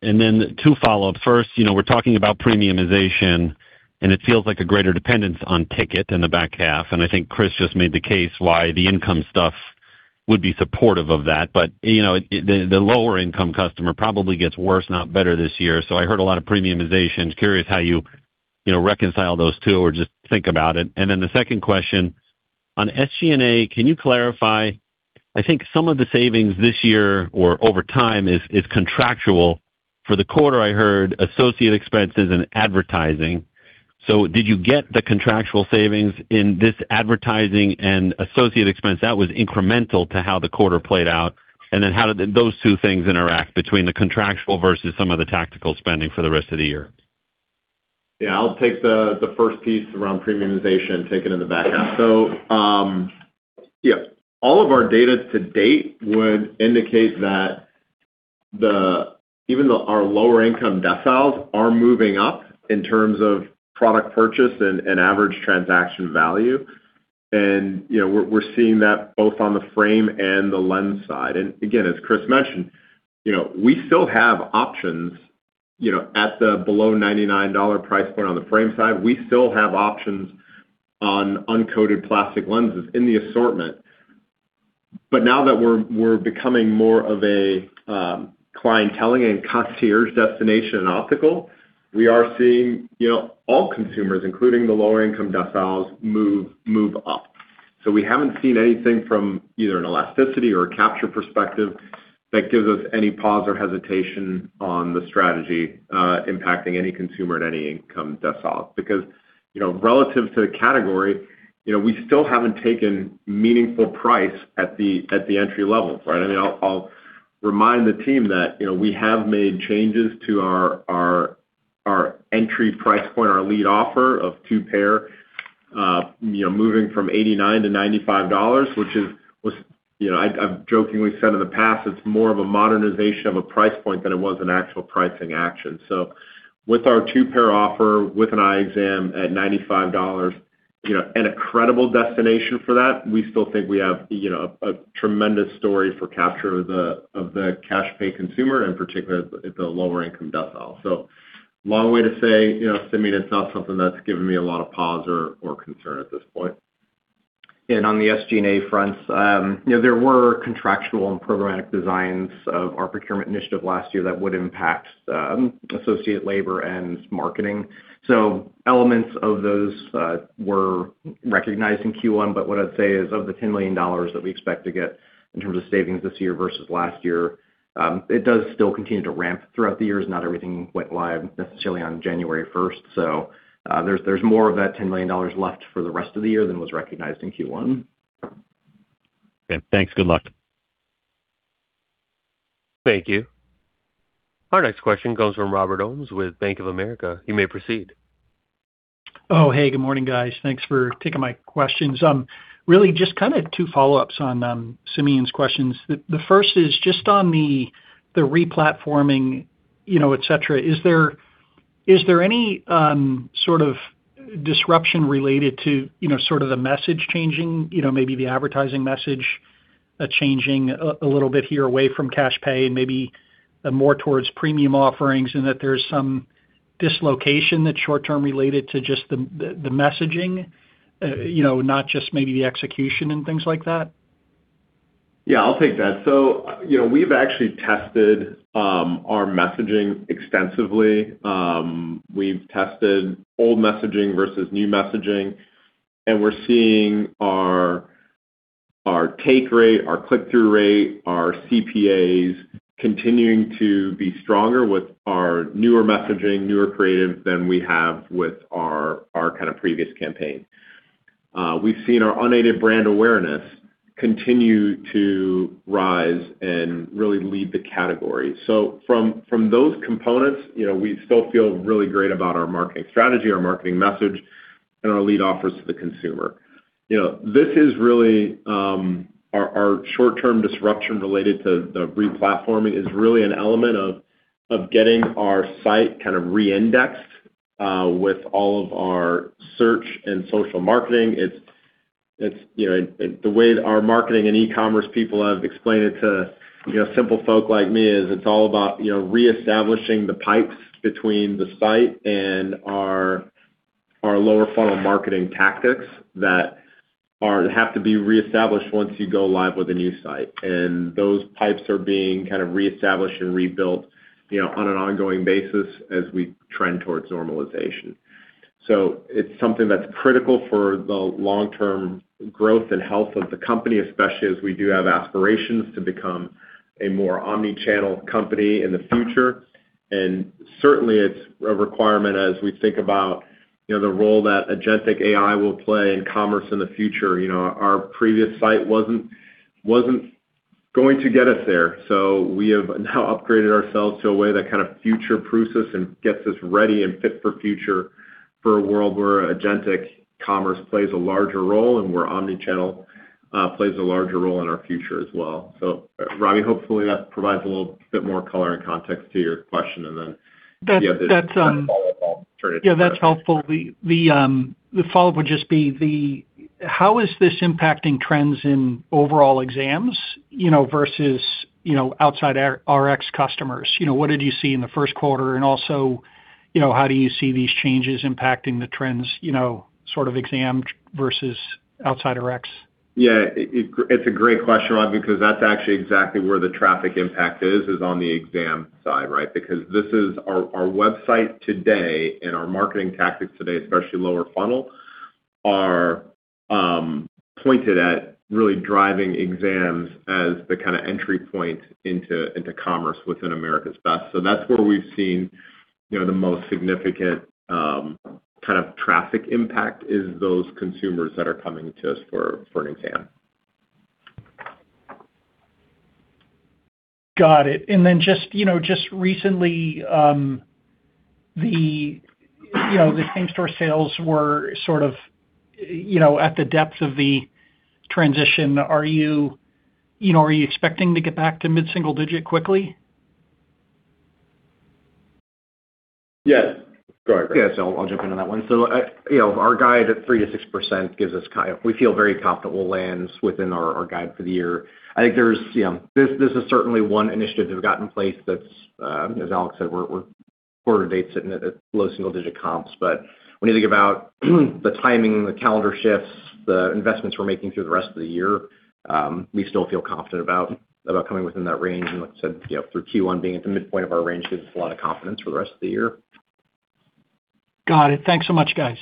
follow-ups. First, you know, we're talking about premiumization, and it feels like a greater dependence on ticket in the back half, and I think Chris just made the case why the income stuff would be supportive of that. You know, the lower income customer probably gets worse, not better this year. I heard a lot of premiumization. Curious how you know, reconcile those 2 or just think about it. The 2nd question, on SG&A, can you clarify, I think some of the savings this year or over time is contractual. For the quarter, I heard associate expenses and advertising. Did you get the contractual savings in this advertising and associate expense that was incremental to how the quarter played out? How did those 2 things interact between the contractual versus some of the tactical spending for the rest of the year? Yeah, I'll take the first piece around premiumization taken in the back half. Yeah, all of our data to date would indicate that even though our lower income deciles are moving up in terms of product purchase and average transaction value. You know, we're seeing that both on the frame and the lens side. Again, as Chris mentioned, you know, we still have options, you know, at the below $99 price point on the frame side. We still have options on uncoated plastic lenses in the assortment. Now that we're becoming more of a clienteling and concierge destination in optical, we are seeing, you know, all consumers, including the lower income deciles move up. We haven't seen anything from either an elasticity or a capture perspective that gives us any pause or hesitation on the strategy impacting any consumer at any income decile. You know, relative to the category, you know, we still haven't taken meaningful price at the entry level, right? I mean, I'll remind the team that, you know, we have made changes to our entry price point, our lead offer of two pair, you know, moving from $89 to $95, which was, you know, I've jokingly said in the past, it's more of a modernization of a price point than it was an actual pricing action. With our two-pair offer, with an eye exam at $95, you know, and a credible destination for that, we still think we have, you know, a tremendous story for capture of the cash pay consumer, and particularly at the lower income decile. Long way to say, you know, Simeon, it's not something that's given me a lot of pause or concern at this point. On the SG&A front, you know, there were contractual and programmatic designs of our procurement initiative last year that would impact associate labor and marketing. Elements of those were recognized in Q1. What I'd say is, of the $10 million that we expect to get in terms of savings this year versus last year, it does still continue to ramp throughout the year, as not everything went live necessarily on January first. There's more of that $10 million left for the rest of the year than was recognized in Q1. Okay, thanks. Good luck. Thank you. Our next question comes from Robert Ohmes with Bank of America. You may proceed. Hey, good morning, guys. Thanks for taking my questions. really just kinda two follow-ups on Simeon's questions. The first is just on the replatforming, you know, et cetera, is there any sort of disruption related to, you know, sort of the message changing? You know, maybe the advertising message changing a little bit here away from cash pay and maybe more towards premium offerings, and that there's some dislocation that's short-term related to just the messaging, you know, not just maybe the execution and things like that? Yeah, I'll take that. You know, we've actually tested our messaging extensively. We've tested old messaging versus new messaging, and we're seeing our take rate, our click-through rate, our CPAs continuing to be stronger with our newer messaging, newer creative than we have with our kind of previous campaign. We've seen our unaided brand awareness continue to rise and really lead the category. From those components, you know, we still feel really great about our marketing strategy, our marketing message, and our lead offers to the consumer. You know, this is really our short-term disruption related to the replatforming is really an element of getting our site kind of re-indexed with all of our search and social marketing. It's, you know, the way that our marketing and e-commerce people have explained it to, you know, simple folk like me is it's all about, you know, reestablishing the pipes between the site and our lower funnel marketing tactics that have to be reestablished once you go live with a new site. Those pipes are being kind of reestablished and rebuilt, you know, on an ongoing basis as we trend towards normalization. It's something that's critical for the long-term growth and health of the company, especially as we do have aspirations to become a more omni-channel company in the future. Certainly it's a requirement as we think about, you know, the role that agentic AI will play in commerce in the future. You know, our previous site wasn't going to get us there. We have now upgraded ourselves to a way that kind of future-proofs us and gets us ready and fit for future for a world where agentic commerce plays a larger role and where omni-channel plays a larger role in our future as well. Robbie, hopefully that provides a little bit more color and context to your question. That's. If you have a follow-up, I'll turn it to Chris. Yeah, that's helpful. The follow-up would just be, how is this impacting trends in overall exams, you know, versus, you know, outside RX customers? You know, what did you see in the first quarter? Also, you know, how do you see these changes impacting the trends, you know, sort of exam versus outside RX? Yeah. It's a great question, Robbie, because that's actually exactly where the traffic impact is on the exam side, right? Because this is our website today and our marketing tactics today, especially lower funnel, are pointed at really driving exams as the kinda entry point into commerce within America's Best. That's where we've seen, you know, the most significant kind of traffic impact is those consumers that are coming to us for an exam. Got it. You know, just recently, you know, the same store sales were sort of, you know, at the depths of the transition. You know, are you expecting to get back to mid-single digit quickly? Yes. Go ahead, Chris. Yeah. I'll jump in on that one. You know, our guide at 3%-6% gives us we feel very confident we'll land within our guide for the year. I think there's, you know, this is certainly one initiative we've got in place that's, as Alex said, we're quarter-to-date sitting at low single-digit comps. When you think about the timing, the calendar shifts, the investments we're making through the rest of the year, we still feel confident about coming within that range. Like I said, you know, through Q1 being at the midpoint of our range gives us a lot of confidence for the rest of the year. Got it. Thanks so much, guys.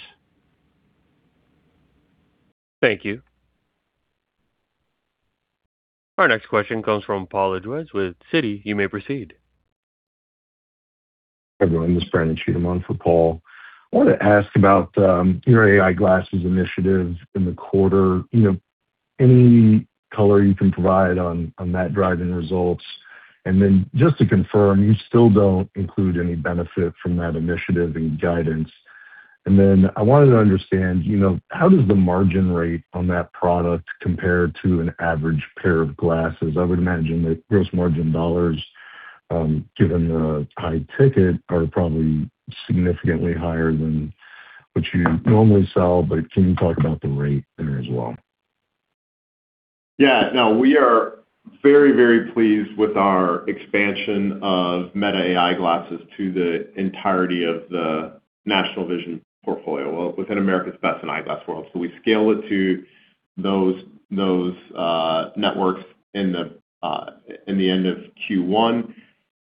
Thank you. Our next question comes from Paul Lejuez with Citi. You may proceed. Everyone, this is Brandon Cheatham on for Paul. I wanna ask about your AI glasses initiatives in the quarter. You know, any color you can provide on that driving results. Just to confirm, you still don't include any benefit from that initiative in guidance. I wanted to understand, you know, how does the margin rate on that product compare to an average pair of glasses? I would imagine that gross margin dollars, given the high ticket, are probably significantly higher than what you normally sell. Can you talk about the rate there as well? Yeah. No, we are very, very pleased with our expansion of Meta AI glasses to the entirety of the National Vision portfolio within America's Best and Eyeglass World. We scale it to those networks in the end of Q1.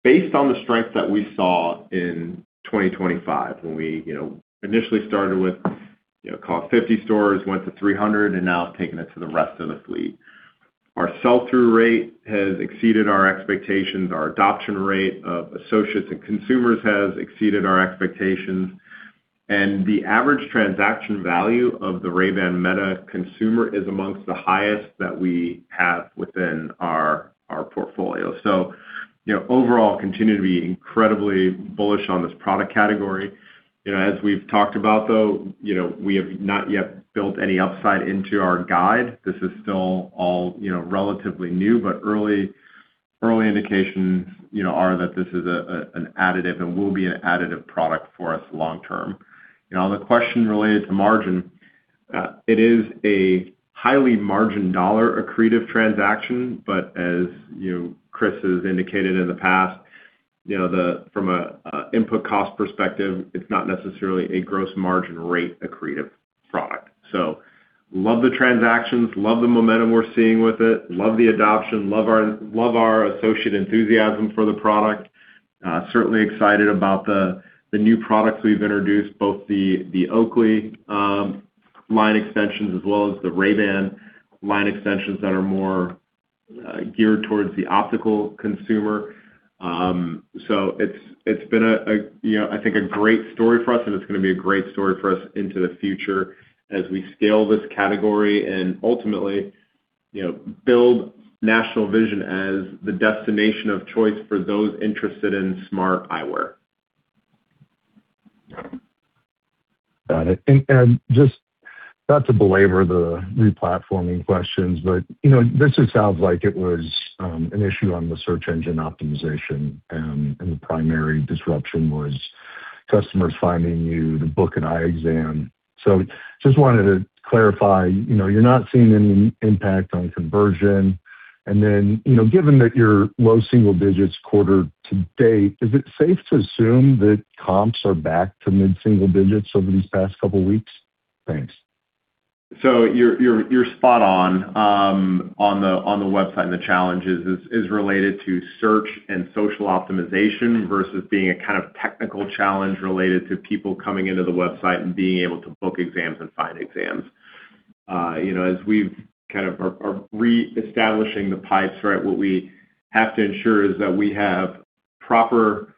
Based on the strength that we saw in 2025 when we, you know, initially started with, you know, call it 50 stores, went to 300, now taking it to the rest of the fleet. Our sell-through rate has exceeded our expectations. Our adoption rate of associates and consumers has exceeded our expectations. The average transaction value of the Ray-Ban Meta consumer is amongst the highest that we have within our portfolio. You know, overall, continue to be incredibly bullish on this product category. You know, as we've talked about, though, you know, we have not yet built any upside into our guide. This is still all, you know, relatively new, but early indications, you know, are that this is an additive and will be an additive product for us long term. You know, the question related to margin, it is a highly margin dollar accretive transaction, but as you know, Chris has indicated in the past, you know, from an input cost perspective, it's not necessarily a gross margin rate accretive product. So love the transactions, love the momentum we're seeing with it, love the adoption, love our associate enthusiasm for the product. Certainly excited about the new products we've introduced, both the Oakley line extensions as well as the Ray-Ban line extensions that are more geared towards the optical consumer. It's been a, you know, I think a great story for us, and it's gonna be a great story for us into the future as we scale this category and ultimately, you know, build National Vision as the destination of choice for those interested in smart eyewear. Got it. Just not to belabor the replatforming questions, but, you know, this just sounds like it was an issue on the search engine optimization, and the primary disruption was customers finding you to book an eye exam. Just wanted to clarify, you know, you're not seeing any impact on conversion. You know, given that you're low single digits quarter to date, is it safe to assume that comps are back to mid-single digits over these past couple weeks? Thanks. You're spot on on the website and the challenges is related to search and social optimization versus being a kind of technical challenge related to people coming into the website and being able to book exams and find exams. You know, as we've kind of are reestablishing the pipes, right? What we have to ensure is that we have proper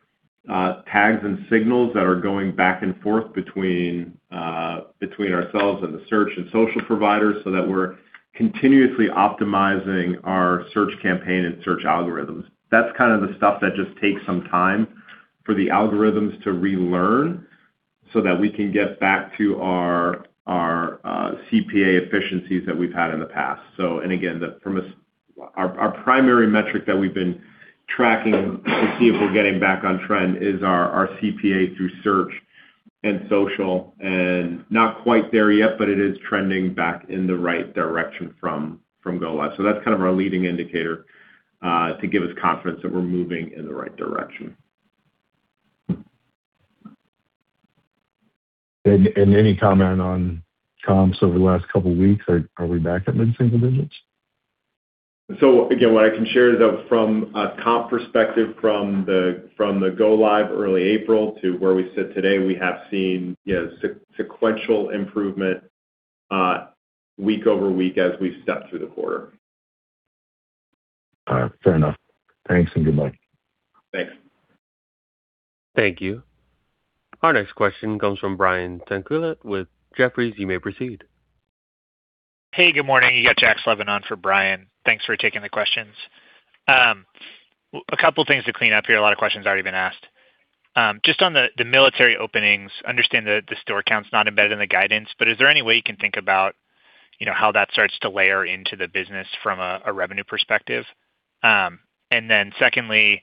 tags and signals that are going back and forth between ourselves and the search and social providers so that we're continuously optimizing our search campaign and search algorithms. That's kind of the stuff that just takes some time for the algorithms to relearn so that we can get back to our CPA efficiencies that we've had in the past. Again, our primary metric that we've been tracking to see if we're getting back on trend is our CPA through search and social. Not quite there yet, but it is trending back in the right direction from go live. That's kind of our leading indicator to give us confidence that we're moving in the right direction. Any comment on comps over the last couple weeks? Are we back at mid-single digits? Again, what I can share is that from a comp perspective, from the go live early April to where we sit today, we have seen, you know, sequential improvement, week over week as we've stepped through the quarter. All right. Fair enough. Thanks, and good luck. Thanks. Thank you. Our next question comes from Brian Tanquilut with Jefferies. You may proceed. Hey, good morning. You got Jack Slevin on for Brian. Thanks for taking the questions. A couple things to clean up here. A lot of questions already been asked. Just on the military openings. Understand that the store count's not embedded in the guidance, but is there any way you can think about, you know, how that starts to layer into the business from a revenue perspective. Secondly,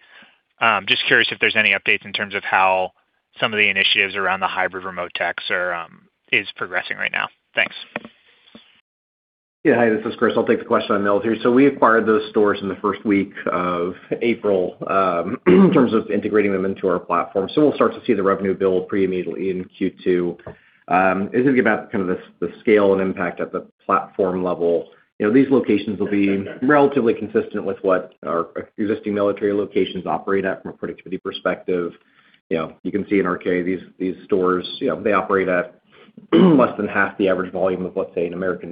just curious if there's any updates in terms of how some of the initiatives around the hybrid remote techs are progressing right now. Thanks. Hi, this is Chris. I'll take the question on military. We acquired those stores in the first week of April, in terms of integrating them into our platform. We'll start to see the revenue build pretty immediately in Q2. As it gets about kind of the scale and impact at the platform level, you know, these locations will be relatively consistent with what our existing military locations operate at from a productivity perspective. You know, you can see in our data, these stores, you know, they operate at less than half the average volume of, let's say, an America's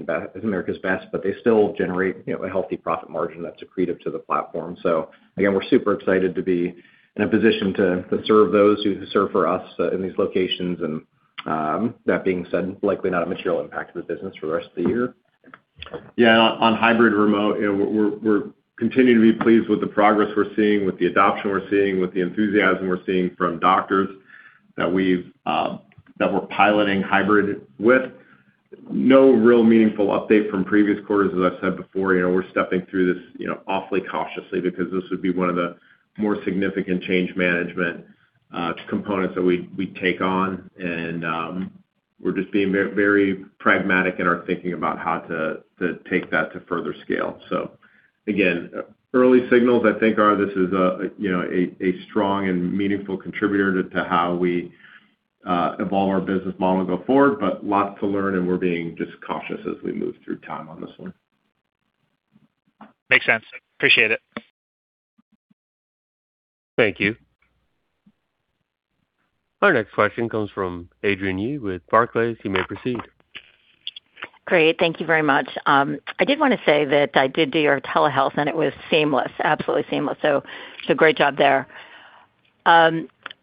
Best, but they still generate, you know, a healthy profit margin that's accretive to the platform. Again, we're super excited to be in a position to serve those who serve for us in these locations. That being said, likely not a material impact to the business for the rest of the year. On hybrid remote, you know, we're continuing to be pleased with the progress we're seeing, with the adoption we're seeing, with the enthusiasm we're seeing from doctors that we're piloting hybrid with. No real meaningful update from previous quarters. As I've said before, you know, we're stepping through this, you know, awfully cautiously because this would be one of the more significant change management components that we take on. We're just being very pragmatic in our thinking about how to take that to further scale. Again, early signals I think are this is a, you know, a strong and meaningful contributor to how we evolve our business model going forward. Lots to learn, and we're being just cautious as we move through time on this one. Makes sense. Appreciate it. Thank you. Our next question comes from Adrienne Yih with Barclays. You may proceed. Great. Thank you very much. I did wanna say that I did do your telehealth, and it was seamless. Absolutely seamless. Great job there.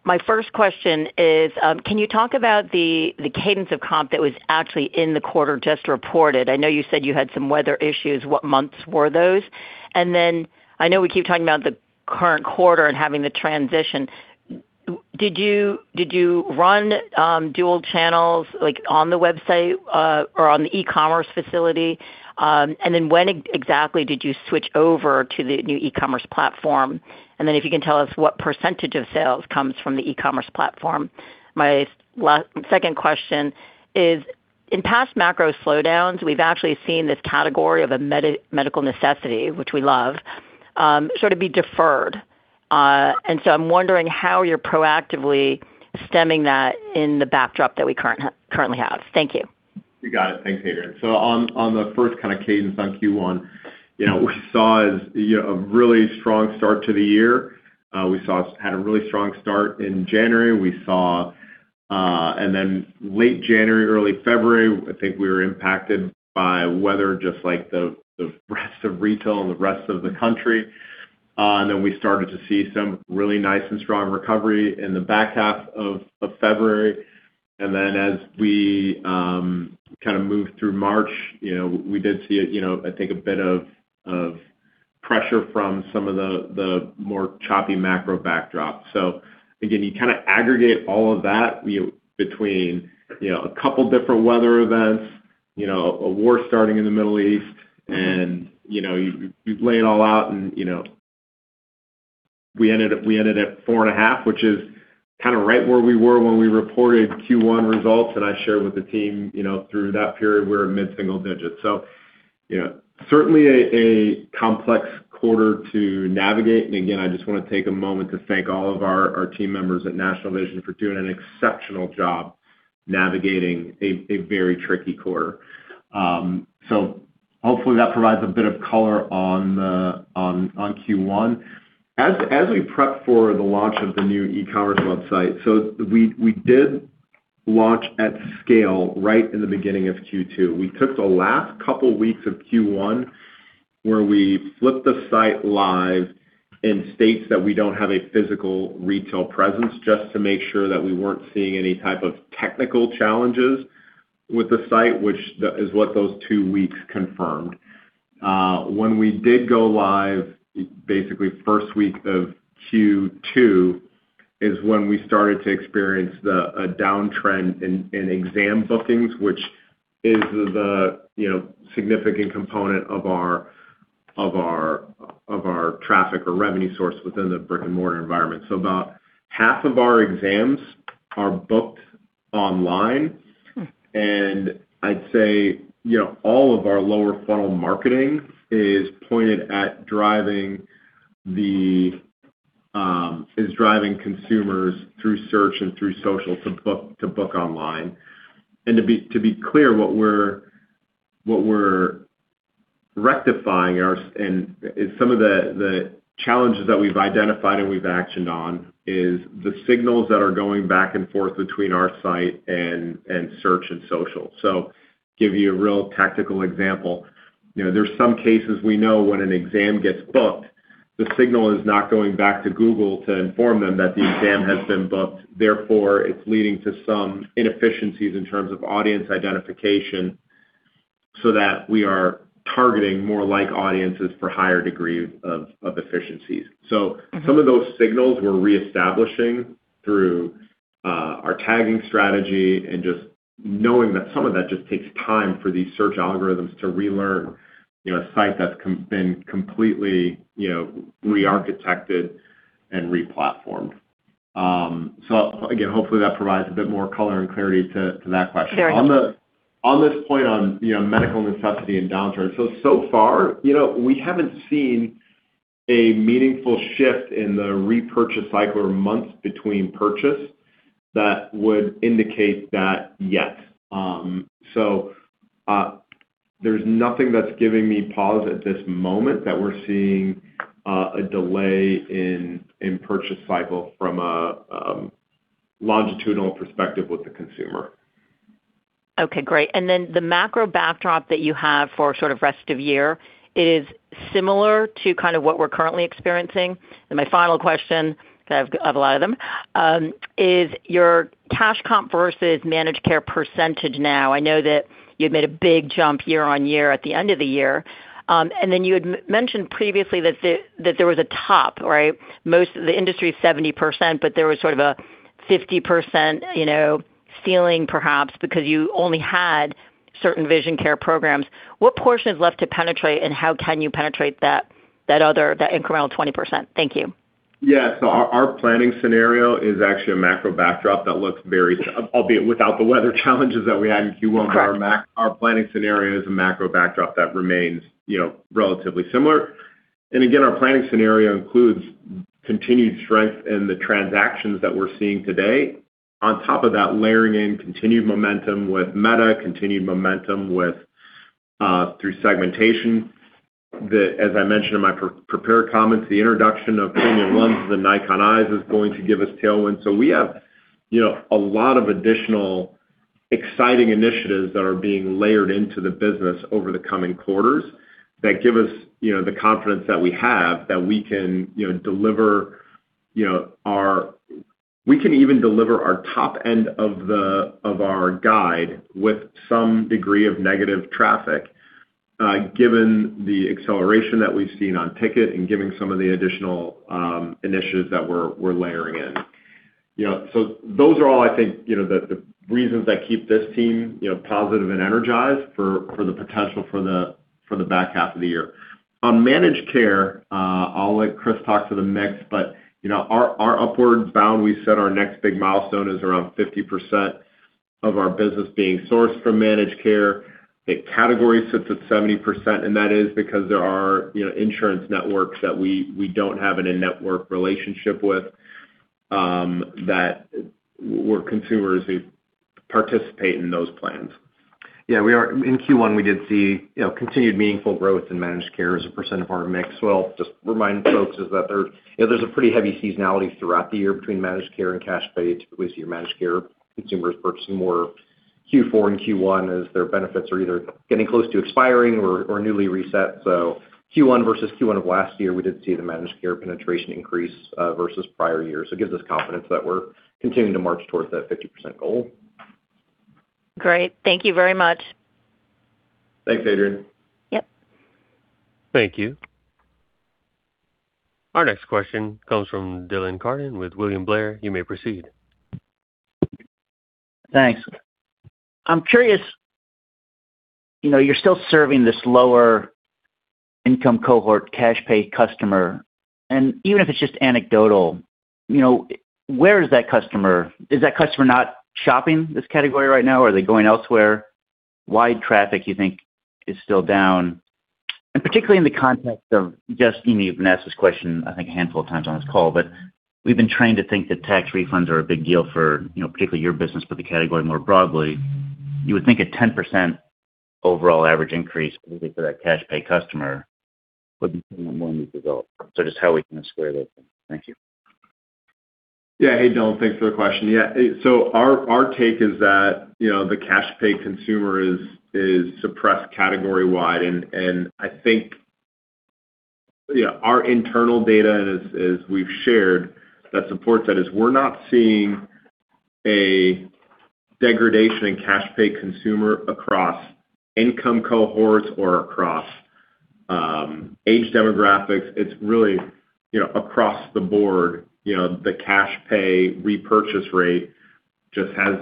My first question is, can you talk about the cadence of comp that was actually in the quarter just reported? I know you said you had some weather issues. What months were those? I know we keep talking about the current quarter and having the transition. Did you run dual channels, like, on the website or on the e-commerce facility? When exactly did you switch over to the new e-commerce platform? If you can tell us what % of sales comes from the e-commerce platform. My second question is, in past macro slowdowns, we've actually seen this category of a medical necessity, which we love, sort of be deferred. I'm wondering how you're proactively stemming that in the backdrop that we currently have. Thank you. You got it. Thanks, Adrienne. On the first kind of cadence on Q1, you know, we saw a, you know, a really strong start to the year. We had a really strong start in January. We saw, and then late January, early February, I think we were impacted by weather just like the rest of retail and the rest of the country. We started to see some really nice and strong recovery in the back half of February. As we kind of moved through March, you know, we did see a, you know, I think a bit of pressure from some of the more choppy macro backdrop. Again, you kind of aggregate all of that, you know, between a couple different weather events, a war starting in the Middle East and you lay it all out and we ended up, we ended at four and a half, which is kind of right where we were when we reported Q1 results. I shared with the team, you know, through that period we were mid-single digits. Certainly a complex quarter to navigate. Again, I just want to take a moment to thank all of our team members at National Vision for doing an exceptional job navigating a very tricky quarter. Hopefully that provides a bit of color on Q1. As we prep for the launch of the new e-commerce website, we did launch at scale right in the beginning of Q2. We took the last couple weeks of Q1, where we flipped the site live in states that we don't have a physical retail presence, just to make sure that we weren't seeing any type of technical challenges with the site, which is what those 2 weeks confirmed. When we did go live, basically 1st week of Q2 is when we started to experience a downtrend in exam bookings, which is you know, significant component of our traffic or revenue source within the brick-and-mortar environment. About half of our exams are booked online. I'd say, you know, all of our lower funnel marketing is pointed at driving consumers through search and through social to book online. To be clear, what we're rectifying and some of the challenges that we've identified and we've actioned on is the signals that are going back and forth between our site and search and social. Give you a real tactical example. You know, there's some cases we know when an exam gets booked, the signal is not going back to Google to inform them that the exam has been booked, therefore, it's leading to some inefficiencies in terms of audience identification, so that we are targeting more like audiences for higher degrees of efficiencies. Some of those signals we're reestablishing through our tagging strategy and just knowing that some of that just takes time for these search algorithms to relearn, you know, a site that's been completely, you know, re-architected and re-platformed. Again, hopefully that provides a bit more color and clarity to that question. Sure. On this point on, you know, medical necessity and downturn. So far, you know, we haven't seen a meaningful shift in the repurchase cycle or months between purchase that would indicate that yet. There's nothing that's giving me pause at this moment that we're seeing a delay in purchase cycle from a longitudinal perspective with the consumer. Okay, great. The macro backdrop that you have for sort of rest of year is similar to kind of what we're currently experiencing? My final question, because I have a lot of them, is your cash comp versus managed care % now. I know that you've made a big jump year on year at the end of the year. You had mentioned previously that there was a top, right? Most of the industry is 70%, but there was sort of a 50%, you know, ceiling perhaps because you only had certain vision care programs. What portion is left to penetrate, and how can you penetrate that incremental 20%? Thank you. Yeah. Our planning scenario is actually a macro backdrop that looks very s- albeit without the weather challenges that we had in Q1. Our planning scenario is a macro backdrop that remains, you know, relatively similar. Again, our planning scenario includes continued strength in the transactions that we're seeing today. On top of that, layering in continued momentum with Meta, continued momentum with through segmentation. As I mentioned in my prepared comments, the introduction of premium lens and Nikon Lenswear is going to give us tailwind. We have, you know, a lot of additional exciting initiatives that are being layered into the business over the coming quarters that give us, you know, the confidence that we have that we can, you know, deliver. We can even deliver our top end of the of our guide with some degree of negative traffic given the acceleration that we've seen on ticket and given some of the additional initiatives that we're layering in. You know, those are all I think, you know, the reasons that keep this team, you know, positive and energized for the potential for the back half of the year. On managed care, I'll let Chris talk to the mix. You know, our upward bound, we said our next big milestone is around 50% of our business being sourced from managed care. The category sits at 70%, and that is because there are, you know, insurance networks that we don't have an in-network relationship with, that were consumers who participate in those plans. Yeah, we are. In Q1, we did see, you know, continued meaningful growth in managed care as a % of our mix. Just remind folks is that there, you know, there's a pretty heavy seasonality throughout the year between managed care and cash pay. Typically see your managed care consumers purchasing more Q4 and Q1 as their benefits are either getting close to expiring or newly reset. Q1 versus Q1 of last year, we did see the managed care penetration increase versus prior years. It gives us confidence that we're continuing to march towards that 50% goal. Great. Thank you very much. Thanks, Adrienne. Yep. Thank you. Our next question comes from Dylan Carden with William Blair. You may proceed. Thanks. I'm curious, you know, you're still serving this lower income cohort cash pay customer, and even if it's just anecdotal, you know, where is that customer? Is that customer not shopping this category right now, or are they going elsewhere? Why traffic you think is still down? Particularly in the context of just, you know, you've been asked this question I think a handful of times on this call, but we've been trained to think that tax refunds are a big deal for, you know, particularly your business, but the category more broadly. You would think a 10% overall average increase, particularly for that cash pay customer would be more than deserved. Just how we can square those things. Thank you. Hey, Dylan, thanks for the question. Our take is that, you know, the cash pay consumer is suppressed category wide. I think, you know, our internal data and as we've shared that supports that, is we're not seeing a degradation in cash pay consumer across income cohorts or across age demographics. It's really, you know, across the board, you know, the cash pay repurchase rate just has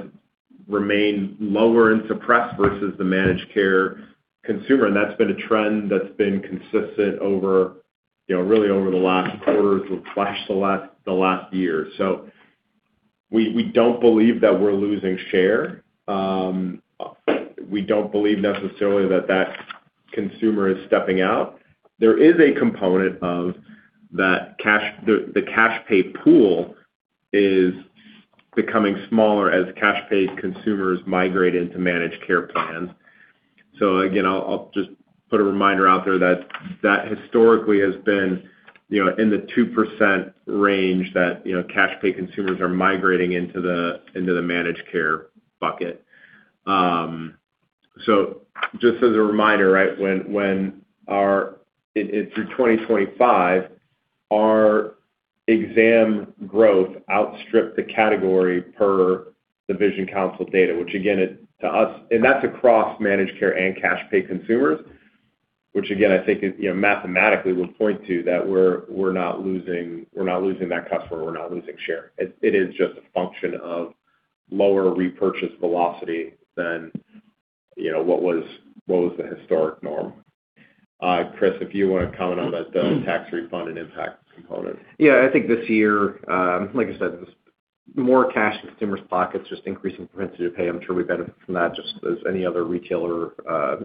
remained lower and suppressed versus the managed care consumer. That's been a trend that's been consistent over, you know, really over the last quarter or flash the last year. We don't believe that we're losing share. We don't believe necessarily that consumer is stepping out. There is a component of that cash. The cash pay pool is becoming smaller as cash pay consumers migrate into managed care plans. Again, I'll just put a reminder out there that that historically has been, you know, in the 2% range that, you know, cash pay consumers are migrating into the managed care bucket. Just as a reminder, right, when our through 2025, our exam growth outstripped the category per The Vision Council data, which again, it, to us. That's across managed care and cash pay consumers. Again, I think, you know, mathematically would point to that we're not losing that customer, we're not losing share. It is just a function of lower repurchase velocity than, you know, what was the historic norm. Chris, if you wanna comment on the tax refund and impact component? Yeah. I think this year, like I said, just more cash in consumers' pockets, just increasing propensity to pay. I'm sure we benefit from that just as any other retailer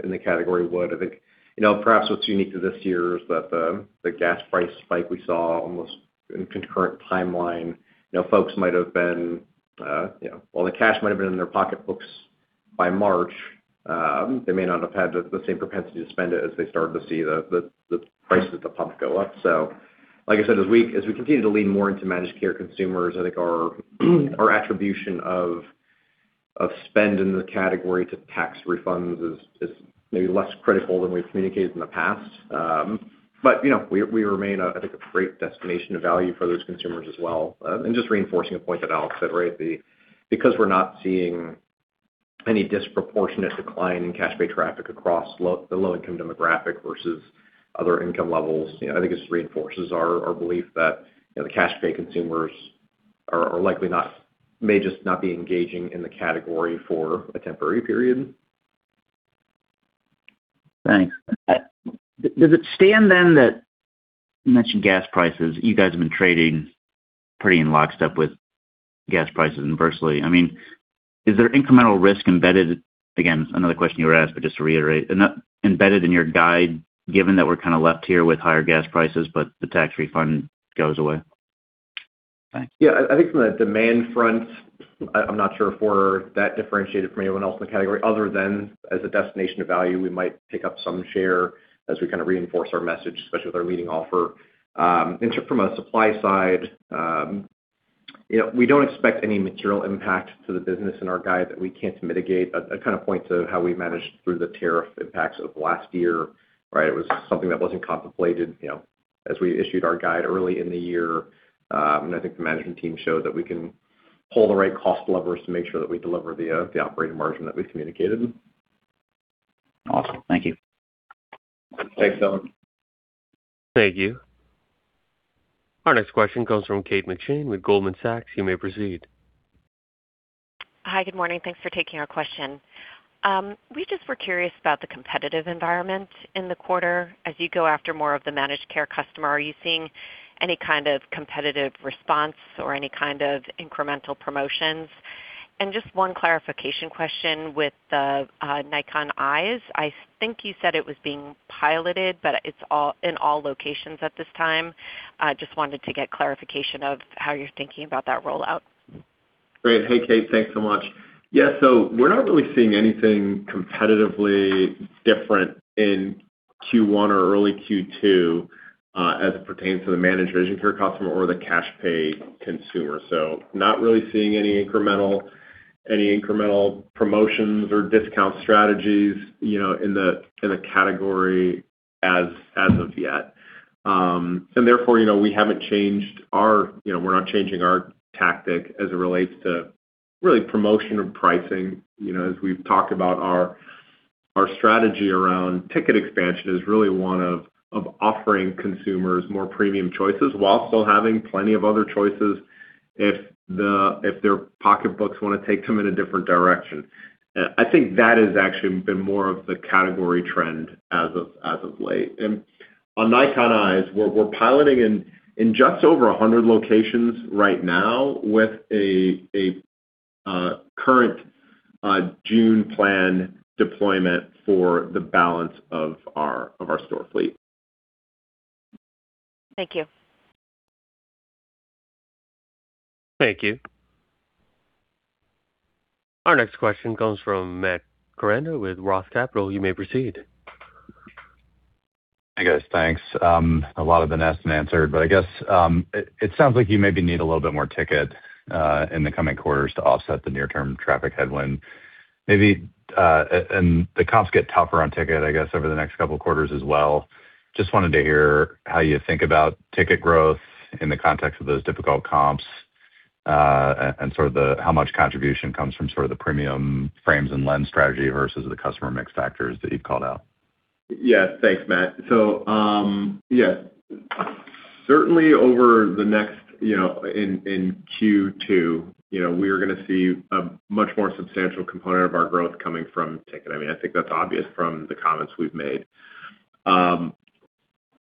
in the category would. I think, you know, perhaps what's unique to this year is that the gas price spike we saw almost in concurrent timeline, you know, folks might have been, you know, while the cash might have been in their pocketbooks by March, they may not have had the same propensity to spend it as they started to see the prices at the pump go up. Like I said, as we continue to lean more into managed care consumers, I think our attribution of spend in the category to tax refunds is maybe less critical than we've communicated in the past. You know, we remain a, I think, a great destination of value for those consumers as well. Just reinforcing a point that Alex said, right? Because we're not seeing any disproportionate decline in cash pay traffic across the low income demographic versus other income levels, you know, I think it just reinforces our belief that, you know, the cash pay consumers are likely not may just not be engaging in the category for a temporary period. Thanks. Does it stand that you mentioned gas prices. You guys have been trading pretty in lockstep with gas prices inversely. I mean, is there incremental risk embedded, again, another question you were asked, but just to reiterate, embedded in your guide, given that we're kinda left here with higher gas prices, but the tax refund goes away? Thanks. Yeah. I think from the demand front, I'm not sure if we're that differentiated from anyone else in the category other than as a destination of value, we might pick up some share as we kinda reinforce our message, especially with our leading offer. So from a supply side, you know, we don't expect any material impact to the business in our guide that we can't mitigate. That kind of points to how we managed through the tariff impacts of last year, right? It was something that wasn't contemplated, you know, as we issued our guide early in the year. I think the management team showed that we can pull the right cost levers to make sure that we deliver the operating margin that we've communicated. Awesome. Thank you. Thanks, Dylan. Thank you. Our next question comes from Kate McShane with Goldman Sachs. You may proceed. Hi, good morning. Thanks for taking our question. We just were curious about the competitive environment in the quarter. As you go after more of the managed care customer, are you seeing any kind of competitive response or any kind of incremental promotions? Just one clarification question with the Nikon Lenswear. I think you said it was being piloted, but it's in all locations at this time. Just wanted to get clarification of how you're thinking about that rollout. Great. Hey, Kate. Thanks so much. Yeah, we're not really seeing anything competitively different in Q1 or early Q2 as it pertains to the managed vision care customer or the cash pay consumer. Not really seeing any incremental promotions or discount strategies, you know, in the category as of yet. Therefore, you know, we're not changing our tactic as it relates to really promotion and pricing. You know, as we've talked about our strategy around ticket expansion is really one of offering consumers more premium choices while still having plenty of other choices if their pocketbooks wanna take them in a different direction. I think that has actually been more of the category trend as of late. On Nikon Lenswear, we're piloting in just over 100 locations right now with a current June plan deployment for the balance of our store fleet. Thank you. Thank you. Our next question comes from Matt Koranda with ROTH Capital. You may proceed. Hi, guys. Thanks. A lot of been asked and answered. I guess, it sounds like you maybe need a little bit more ticket in the coming quarters to offset the near term traffic headwind. Maybe, and the comps get tougher on ticket, I guess, over the next couple quarters as well. Just wanted to hear how you think about ticket growth in the context of those difficult comps, and sort of the how much contribution comes from sort of the premium frames and lens strategy versus the customer mix factors that you've called out. Thanks, Matt. Certainly over the next, you know, in Q2, you know, we're gonna see a much more substantial component of our growth coming from ticket. I mean, I think that's obvious from the comments we've made.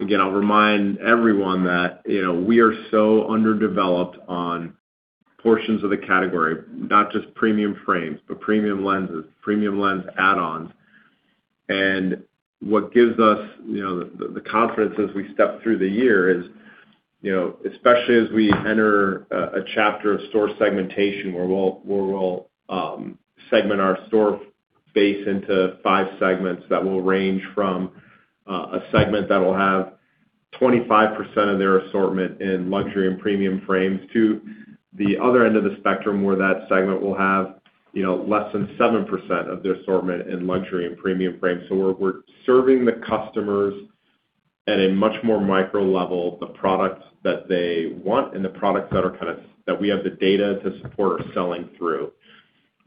Again, I'll remind everyone that, you know, we are so underdeveloped on portions of the category, not just premium frames, but premium lenses, premium lens add-ons. What gives us, you know, the confidence as we step through the year is, you know, especially as we enter a chapter of store segmentation where we'll segment our store base into 5 segments that will range from a segment that will have 25% of their assortment in luxury and premium frames to the other end of the spectrum, where that segment will have, you know, less than 7% of their assortment in luxury and premium frames. We're serving the customers at a much more micro level, the products that they want and the products that we have the data to support selling through.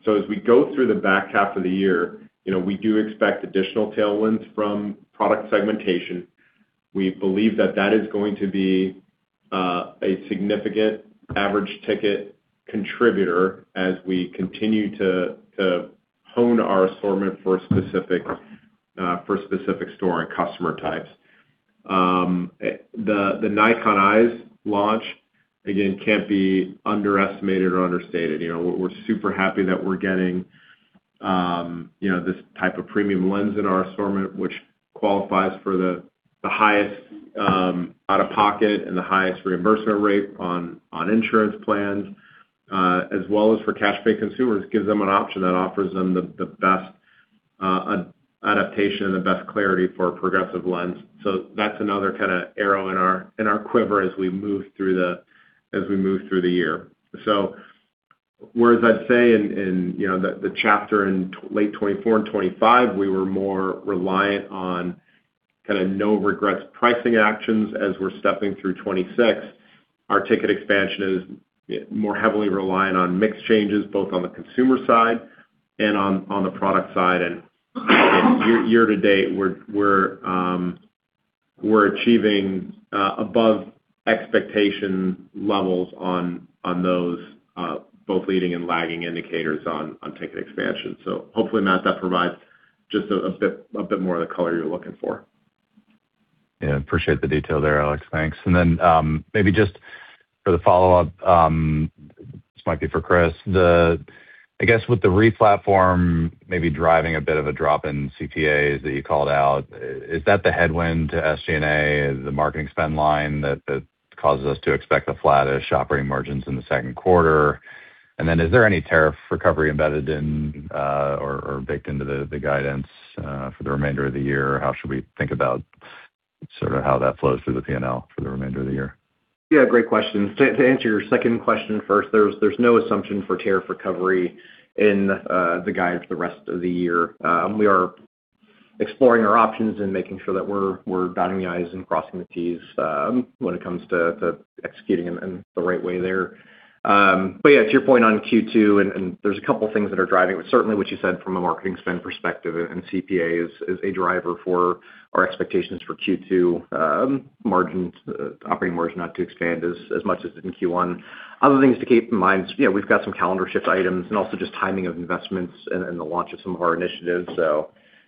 As we go through the back half of the year, you know, we do expect additional tailwinds from product segmentation. We believe that that is going to be a significant average ticket contributor as we continue to hone our assortment for a specific store and customer types. The Nikon Lenswear launch, again, can't be underestimated or understated. You know, we're super happy that we're getting, you know, this type of premium lens in our assortment, which qualifies for the highest out-of-pocket and the highest reimbursement rate on insurance plans, as well as for cash-pay consumers, gives them an option that offers them the best adaptation and the best clarity for a progressive lens. That's another kinda arrow in our quiver as we move through the year. Whereas I'd say in, you know, the chapter in late 2024 and 2025, we were more reliant on kinda no regrets pricing actions. We're stepping through 2026, our ticket expansion is more heavily reliant on mix changes, both on the consumer side and on the product side. Year-to-date, we're achieving above expectation levels on those both leading and lagging indicators on ticket expansion. Hopefully, Matt, that provides just a bit more of the color you're looking for. Yeah, appreciate the detail there, Alex. Thanks. Maybe just for the follow-up, this might be for Chris. I guess with the replatform maybe driving a bit of a drop in CPAs that you called out, is that the headwind to SG&A, the marketing spend line that causes us to expect the flattish operating margins in the second quarter? Is there any tariff recovery embedded in or baked into the guidance for the remainder of the year? How should we think about sort of how that flows through the P&L for the remainder of the year? Yeah, great question. To answer your second question first, there's no assumption for tariff recovery in the guide for the rest of the year. We are exploring our options and making sure that we're dotting the Is and crossing the Ts when it comes to executing in the right way there. Yeah, to your point on Q2, and there's a couple things that are driving. Certainly, what you said from a marketing spend perspective, and CPA is a driver for our expectations for Q2, margins, operating margins not to expand as much as in Q1. Other things to keep in mind, you know, we've got some calendar shift items and also just timing of investments and the launch of some of our initiatives.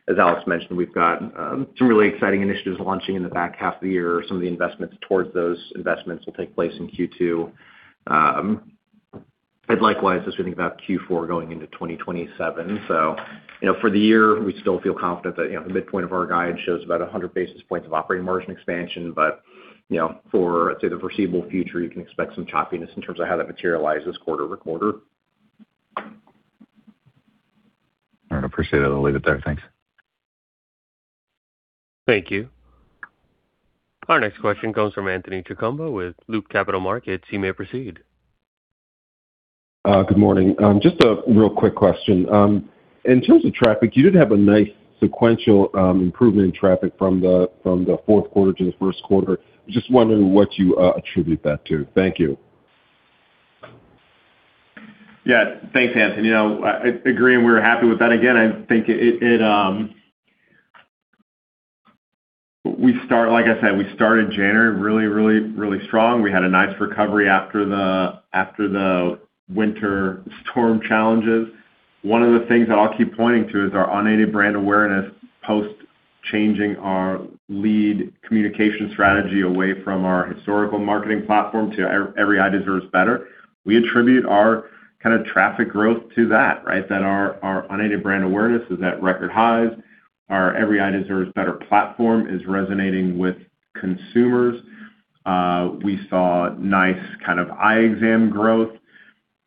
As Alex mentioned, we've got some really exciting initiatives launching in the back half of the year. Some of the investments towards those investments will take place in Q2. Likewise, as we think about Q4 going into 2027. For the year, we still feel confident that, you know, the midpoint of our guide shows about 100 basis points of operating margin expansion. For, say, the foreseeable future, you can expect some choppiness in terms of how that materializes quarter-over-quarter. All right. Appreciate it. I'll leave it there. Thanks. Thank you. Our next question comes from Anthony Chukumba with Loop Capital Markets. You may proceed. Good morning. Just a real quick question. In terms of traffic, you did have a nice sequential improvement in traffic from the fourth quarter to the first quarter. Just wondering what you attribute that to. Thank you. Yeah. Thanks, Anthony. You know, agreeing, we're happy with that. Again, I think it, Like I said, we started January really, really, really strong. We had a nice recovery after the winter storm challenges. One of the things that I'll keep pointing to is our unaided brand awareness post changing our lead communication strategy away from our historical marketing platform to Every Eye Deserves Better. We attribute our kinda traffic growth to that, right? That our unaided brand awareness is at record highs. Our Every Eye Deserves Better platform is resonating with consumers. We saw nice kind of eye exam growth.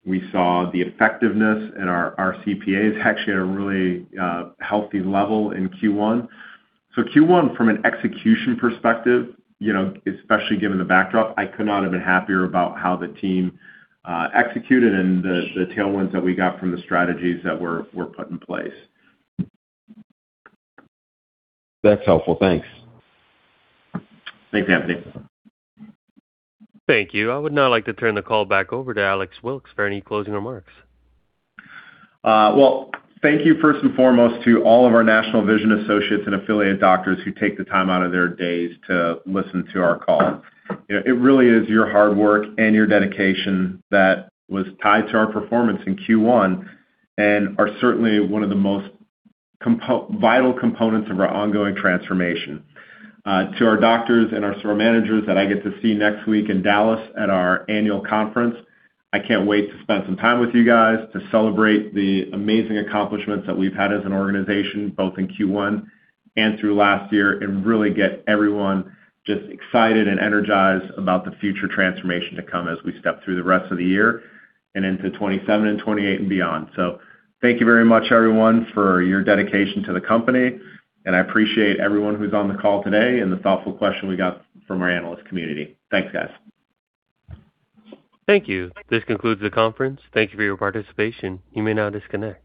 We saw the effectiveness in our CPAs, actually at a really healthy level in Q1. Q1, from an execution perspective, you know, especially given the backdrop, I could not have been happier about how the team executed and the tailwinds that we got from the strategies that were put in place. That's helpful. Thanks. Thanks, Anthony. Thank you. I would now like to turn the call back over to Alex Wilkes for any closing remarks. Well, thank you first and foremost to all of our National Vision associates and affiliate doctors who take the time out of their days to listen to our call. You know, it really is your hard work and your dedication that was tied to our performance in Q1 and are certainly one of the most vital components of our ongoing transformation. To our doctors and our store managers that I get to see next week in Dallas at our annual conference, I can't wait to spend some time with you guys to celebrate the amazing accomplishments that we've had as an organization, both in Q1 and through last year, and really get everyone just excited and energized about the future transformation to come as we step through the rest of the year and into 2027 and 2028 and beyond. Thank you very much, everyone, for your dedication to the company, and I appreciate everyone who's on the call today and the thoughtful question we got from our analyst community. Thanks, guys. Thank you. This concludes the conference. Thank you for your participation. You may now disconnect.